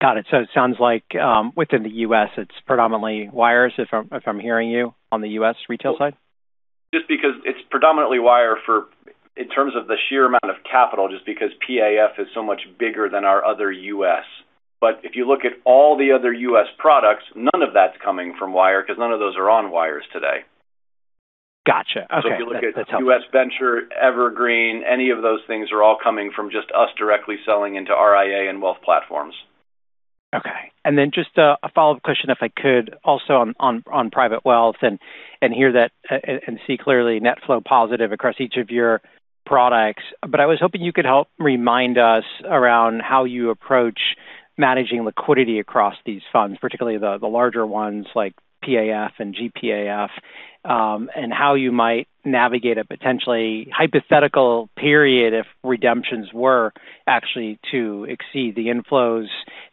G: Got it. It sounds like within the U.S. it's predominantly wires, if I'm hearing you, on the U.S. retail side?
C: It's predominantly wire in terms of the sheer amount of capital, just because PAF is so much bigger than our other U.S. But if you look at all the other U.S. products, none of that's coming from wire because none of those are on wires today.
G: Got you. Okay. That is helpful.
C: If you look at U.S. venture, Evergreen, any of those things are all coming from just us directly selling into RIA and wealth platforms.
G: Okay. Just a follow-up question, if I could, also on private wealth, and hear that and see clearly net flow positive across each of your products. I was hoping you could help remind us around how you approach managing liquidity across these funds, particularly the larger ones like PAF and GPAF? How you might navigate a potentially, hypothetical period if redemptions were actually to exceed the inflows?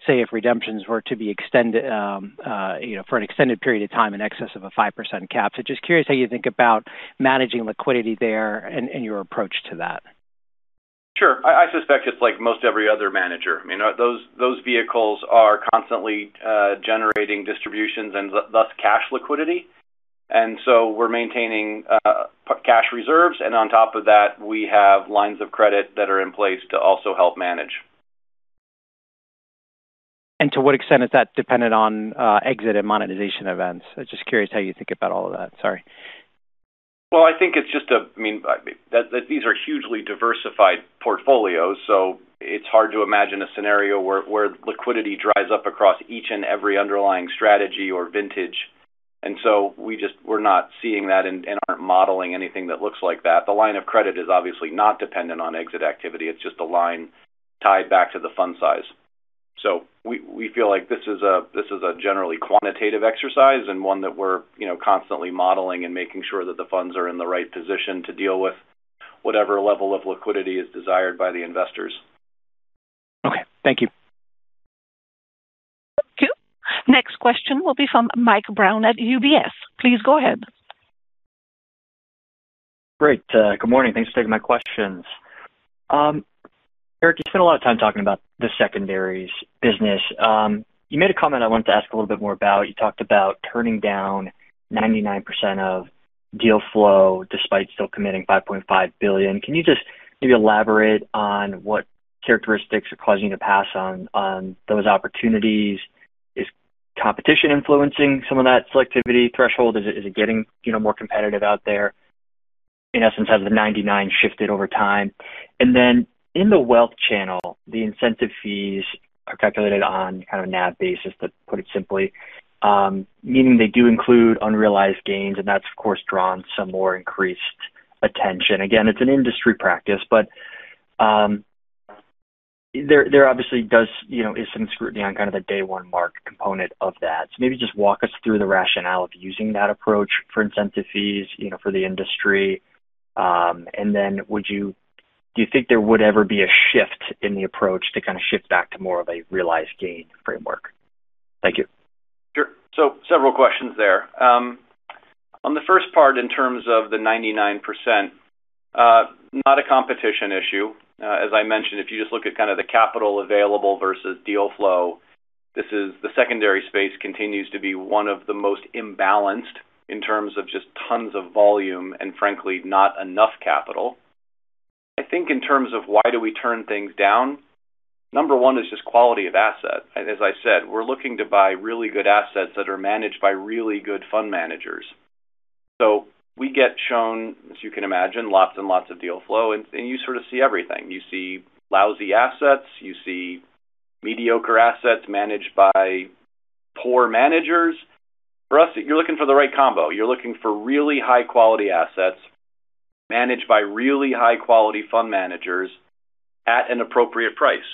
G: Say, if redemptions were to be extended for an extended period of time in excess of a 5% cap. Just curious how you think about managing liquidity there and your approach to that?
C: Sure. I suspect it's like most every other manager. Those vehicles are constantly generating distributions and thus cash liquidity. We're maintaining cash reserves. On top of that, we have lines of credit that are in place to also help manage.
G: To what extent is that dependent on exit and monetization events? I'm just curious how you think about all of that. Sorry.
C: Well, these are hugely diversified portfolios, so it's hard to imagine a scenario where liquidity dries up across each and every underlying strategy or vintage. We're not seeing that and aren't modeling anything that looks like that. The line of credit is obviously not dependent on exit activity. It's just a line tied back to the fund size. We feel like this is a generally quantitative exercise and one that we're constantly modeling and making sure that the funds are in the right position to deal with whatever level of liquidity is desired by the investors.
G: Okay. Thank you.
A: Thank you. Next question will be from Michael Brown at UBS. Please go ahead.
H: Great. Good morning. Thanks for taking my questions. Erik, you spent a lot of time talking about the secondaries business. You made a comment, I wanted to ask a little bit more about, you talked about turning down 99% of deal flow despite still committing $5.5 billion. Can you just maybe elaborate on what characteristics are causing you to pass on those opportunities? Is competition influencing some of that selectivity threshold? Is it getting more competitive out there? In essence, has the 99% shifted over time? In the wealth channel, the incentive fees are calculated on kind of NAV basis to put it simply, meaning they do include unrealized gains, and that's, of course, drawn some more increased attention. Again, it's an industry practice, but there obviously is some scrutiny on kind of the day one mark component of that. Maybe just walk us through the rationale of using that approach for incentive fees for the industry? Do you think there would ever be a shift in the approach to kind of shift back to more of a realized gain framework? Thank you.
C: Sure. Several questions there. On the first part, in terms of the 99%, not a competition issue. As I mentioned, if you just look at kind of the capital available versus deal flow, the secondary space continues to be one of the most imbalanced in terms of just tons of volume and frankly, not enough capital. I think in terms of why do we turn things down, number one is just quality of asset. As I said, we're looking to buy really good assets that are managed by really good fund managers. So we get shown, as you can imagine, lots and lots of deal flow, and you sort of see everything. You see lousy assets. You see mediocre assets managed by poor managers. For us, you're looking for the right combo. You're looking for really high-quality assets managed by really high-quality fund managers at an appropriate price.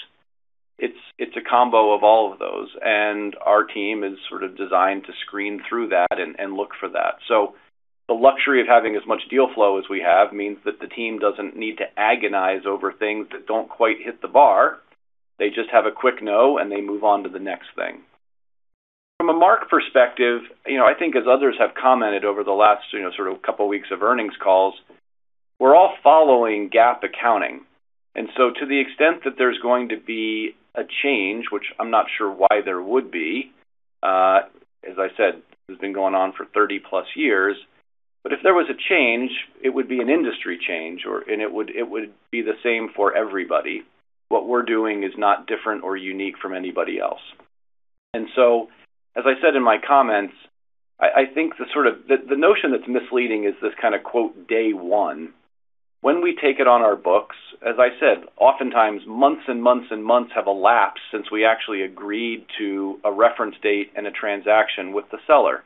C: It's a combo of all of those, and our team is sort of designed to screen through that and look for that. The luxury of having as much deal flow as we have means that the team doesn't need to agonize over things that don't quite hit the bar. They just have a quick no, and they move on to the next thing. From a mark perspective, I think as others have commented over the last sort of couple weeks of earnings calls, we're all following GAAP accounting. To the extent that there's going to be a change, which I'm not sure why there would be, as I said, this has been going on for 30+ years. If there was a change, it would be an industry change, and it would be the same for everybody. What we're doing is not different or unique from anybody else. As I said in my comments, I think the notion that's misleading is this kind of quote, "day one." When we take it on our books, as I said, oftentimes, months and months and months have elapsed since we actually agreed to a reference date and a transaction with the seller.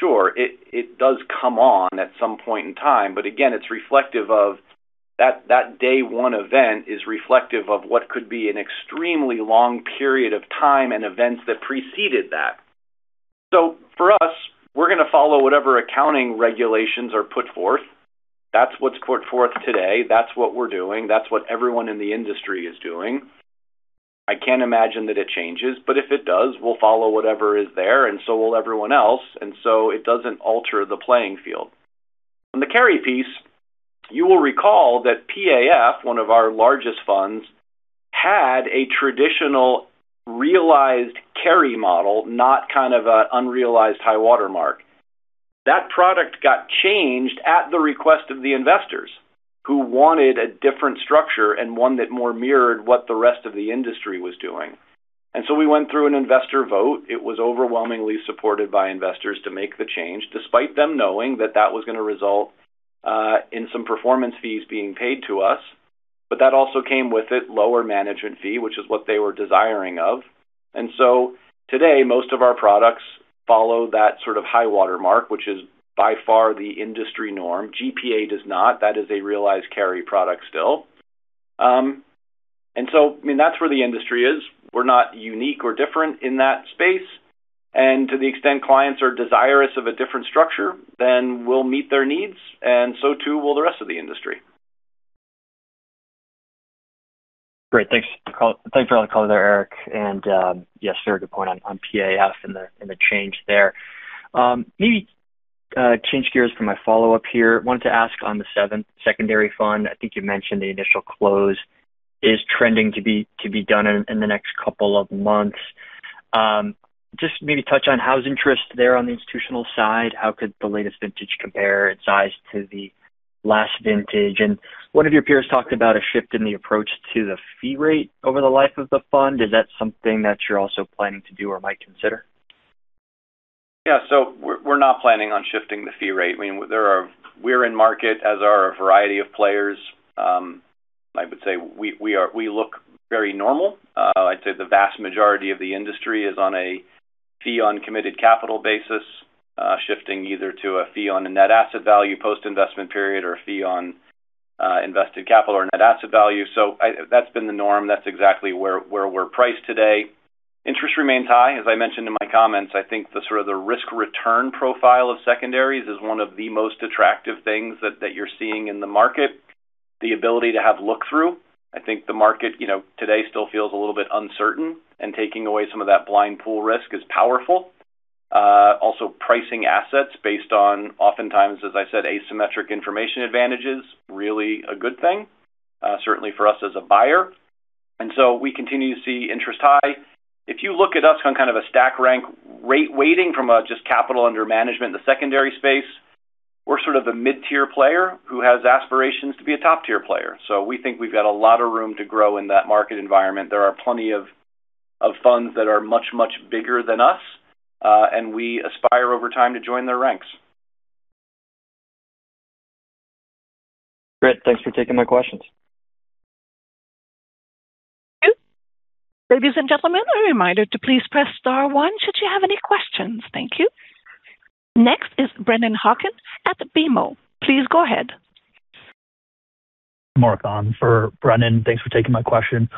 C: Sure, it does come on at some point in time, but again, that day one event is reflective of what could be an extremely long period of time and events that preceded that. For us, we're going to follow whatever accounting regulations are put forth. That's what's put forth today. That's what we're doing. That's what everyone in the industry is doing. I can't imagine that it changes. But if it does, we'll follow whatever is there, and so will everyone else. So, it doesn't alter the playing field. On the carry piece, you will recall that PAF, one of our largest funds, had a traditional realized carry model. Not kind of an unrealized high-water mark. That product got changed at the request of the investors who wanted a different structure and one that more mirrored what the rest of the industry was doing. We went through an investor vote. It was overwhelmingly supported by investors to make the change, despite them knowing that that was going to result in some performance fees being paid to us. But that also came with it lower management fee, which is what they were desiring of. Today, most of our products follow that sort of high-water mark, which is by far the industry norm. GPA does not. That is a realized carry product still. That's where the industry is. We're not unique or different in that space. To the extent clients are desirous of a different structure, then we'll meet their needs, and so too will the rest of the industry.
H: Great. Thanks for all the color there, Erik. Yes, very good point on PAF and the change there. Maybe change gears for my follow-up here. Wanted to ask on the seventh secondary fund, I think you mentioned the initial close is trending to be done in the next couple of months. Just maybe touch on how's interest there on the institutional side. How could the latest vintage compare in size to the last vintage? One of your peers talked about a shift in the approach to the fee rate over the life of the fund. Is that something that you're also planning to do or might consider?
C: We're not planning on shifting the fee rate. We're in market, as are a variety of players. I would say we look very normal. I'd say the vast majority of the industry is on a fee-on-committed-capital basis, shifting either to a fee-on-a-net-asset value post-investment period or a fee on invested capital or net asset value. That's been the norm. That's exactly where we're priced today. Interest remains high. As I mentioned in my comments, I think the sort of the risk-return profile of secondaries is one of the most attractive things that you're seeing in the market. The ability to have look-through. I think the market today still feels a little bit uncertain, and taking away some of that blind pool risk is powerful. Pricing assets based on oftentimes, as I said, asymmetric information advantage is really a good thing, certainly for us as a buyer. We continue to see interest high. If you look at us on kind of a stack rank weighting from a just capital under management in the secondary space, we're sort of a mid-tier player who has aspirations to be a top-tier player. We think we've got a lot of room to grow in that market environment. There are plenty of funds that are much, much bigger than us. We aspire over time to join their ranks.
H: Great. Thanks for taking my questions.
A: Thank you. Ladies and gentlemen, a reminder to please press star one should you have any questions. Thank you. Next is Brennan Hawken at BMO. Please go ahead.
I: Marc on for Brennan. Thanks for taking my question.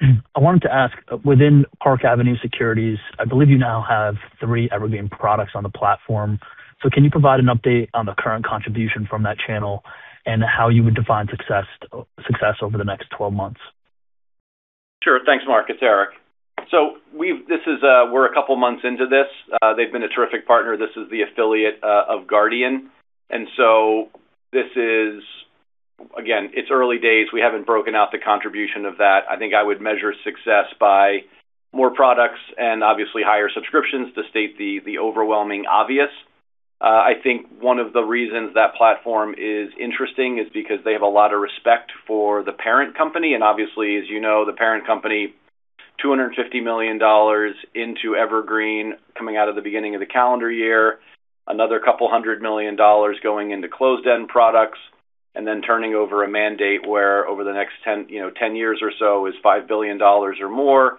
I: I wanted to ask, within Park Avenue Securities, I believe you now have three Evergreen products on the platform. Can you provide an update on the current contribution from that channel and how you would define success over the next 12 months?
C: Sure. Thanks, Marc. It's Erik. We're a couple of months into this. They've been a terrific partner. This is the affiliate of Guardian. This is, again, it's early days. We haven't broken out the contribution of that. I think I would measure success by more products and obviously higher subscriptions to state the overwhelming obvious. I think one of the reasons that platform is interesting is because they have a lot of respect for the parent company. Obviously, as you know, the parent company, $250 million into Evergreen coming out of the beginning of the calendar year. Another $200 million going into closed-end products, and then turning over a mandate where over the next 10 years or so is $5 billion or more.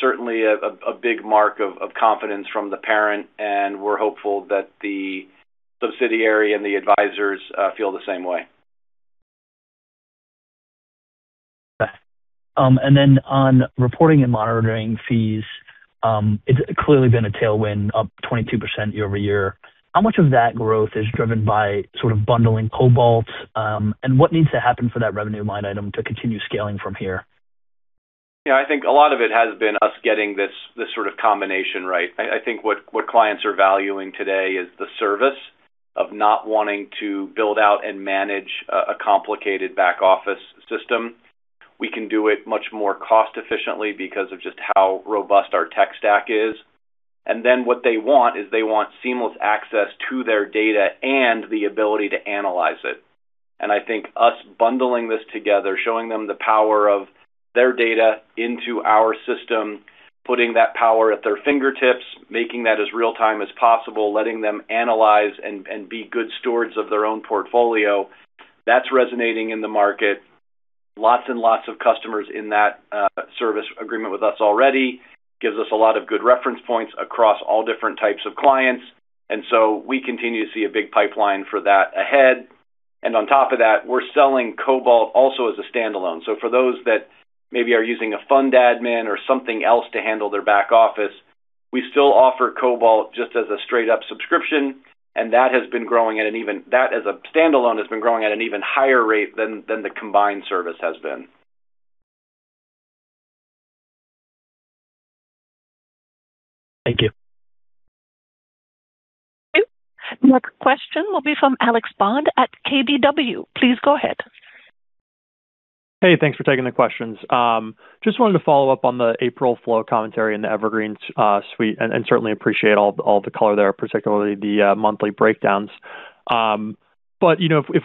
C: Certainly a big mark of confidence from the parent, and we're hopeful that the subsidiary and the advisors feel the same way.
I: On reporting and monitoring fees, it's clearly been a tailwind up 22% year-over-year. How much of that growth is driven by sort of bundling Cobalt, and what needs to happen for that revenue line item to continue scaling from here?
C: Yeah, I think a lot of it has been us getting this sort of combination right. I think what clients are valuing today is the service of not wanting to build out and manage a complicated back-office system. We can do it much more cost efficiently because of just how robust our tech stack is. What they want is they want seamless access to their data and the ability to analyze it. I think us bundling this together, showing them the power of their data into our system, putting that power at their fingertips, making that as real-time as possible, letting them analyze and be good stewards of their own portfolio, that's resonating in the market. Lots and lots of customers in that service agreement with us already gives us a lot of good reference points across all different types of clients. We continue to see a big pipeline for that ahead. On top of that, we're selling Cobalt also as a standalone. For those that maybe are using a fund admin or something else to handle their back office, we still offer Cobalt just as a straight-up subscription, and that as a standalone, has been growing at an even higher rate than the combined service has been.
I: Thank you.
A: Thank you. The next question will be from Alex Bond at KBW. Please go ahead.
J: Hey, thanks for taking the questions. Just wanted to follow up on the April flow commentary in the Evergreen suite. Certainly appreciate all the color there, particularly the monthly breakdowns. I think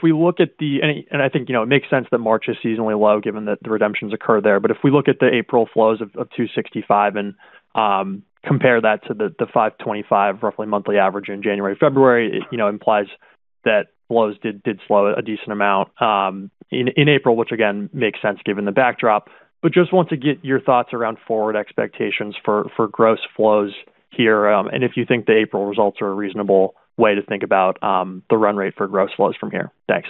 J: it makes sense that March is seasonally low given that the redemptions occur there. If we look at the April flows of $265 million and compare that to the $525 million roughly monthly average in January-February, it implies that flows did slow a decent amount in April, which again, makes sense given the backdrop. Just want to get your thoughts around forward expectations for gross flows here? If you think the April results are a reasonable way to think about the run rate for gross flows from here? Thanks.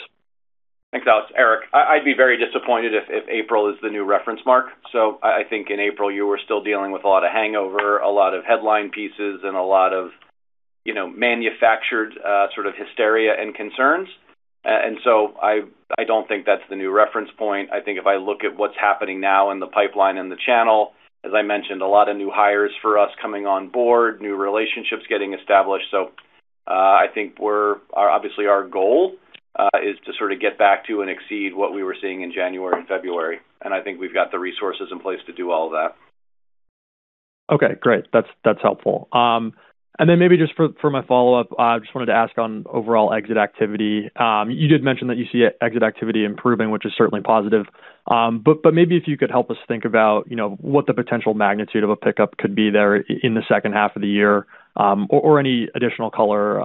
C: Thanks, Alex. It's Erik. I'd be very disappointed if April is the new reference mark. I think in April, you were still dealing with a lot of hangover, a lot of headline pieces, and a lot of manufactured sort of hysteria and concerns. I don't think that's the new reference point. I think if I look at what's happening now in the pipeline and the channel, as I mentioned, a lot of new hires for us coming on board, new relationships getting established. I think obviously our goal is to sort of get back to and exceed what we were seeing in January and February, and I think we've got the resources in place to do all of that.
J: Okay, great. That's helpful. Maybe just for my follow-up, I just wanted to ask on overall exit activity. You did mention that you see exit activity improving, which is certainly positive. Maybe if you could help us think about what the potential magnitude of a pickup could be there in the second half of the year, or any additional color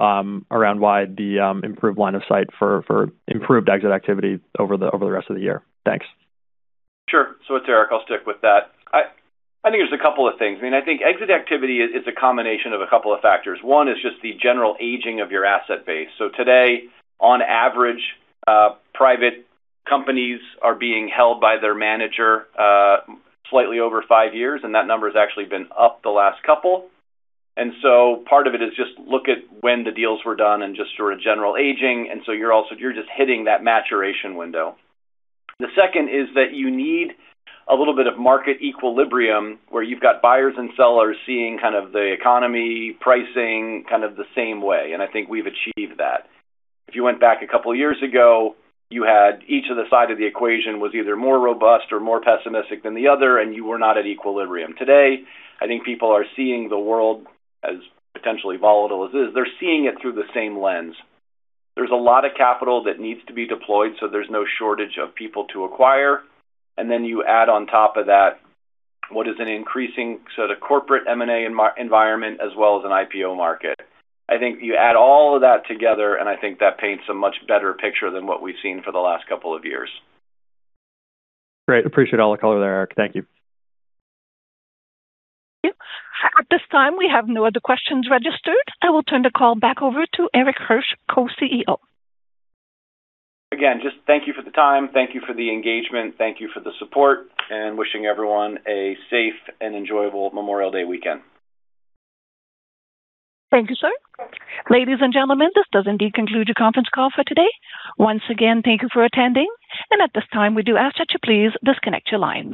J: around why the improved line of sight for improved exit activity over the rest of the year? Thanks.
C: Sure. It's Erik, I'll stick with that. I think there's a couple of things. I think exit activity is a combination of a couple of factors. One is just the general aging of your asset base. Today, on average, private companies are being held by their manager slightly over five years, and that number has actually been up the last couple years. Part of it is just look at when the deals were done and just sort of general aging. You're just hitting that maturation window. The second is that you need a little bit of market equilibrium where you've got buyers and sellers seeing kind of the economy pricing kind of the same way, and I think we've achieved that. If you went back a couple of years ago, you had each of the side of the equation was either more robust or more pessimistic than the other, and you were not at equilibrium. Today, I think people are seeing the world, as potentially volatile as it is, they're seeing it through the same lens. There's a lot of capital that needs to be deployed, there's no shortage of people to acquire. You add on top of that what is an increasing sort of corporate M&A environment as well as an IPO market. I think you add all of that together, and I think that paints a much better picture than what we've seen for the last couple of years.
J: Great. Appreciate all the color there, Erik. Thank you.
A: Thank you. At this time, we have no other questions registered. I will turn the call back over to Erik Hirsch, Co-CEO.
C: Again, just thank you for the time. Thank you for the engagement. Thank you for the support, and wishing everyone a safe and enjoyable Memorial Day weekend.
A: Thank you, sir. Ladies and gentlemen, this does indeed conclude your conference call for today. Once again, thank you for attending. At this time, we do ask that you please disconnect your line.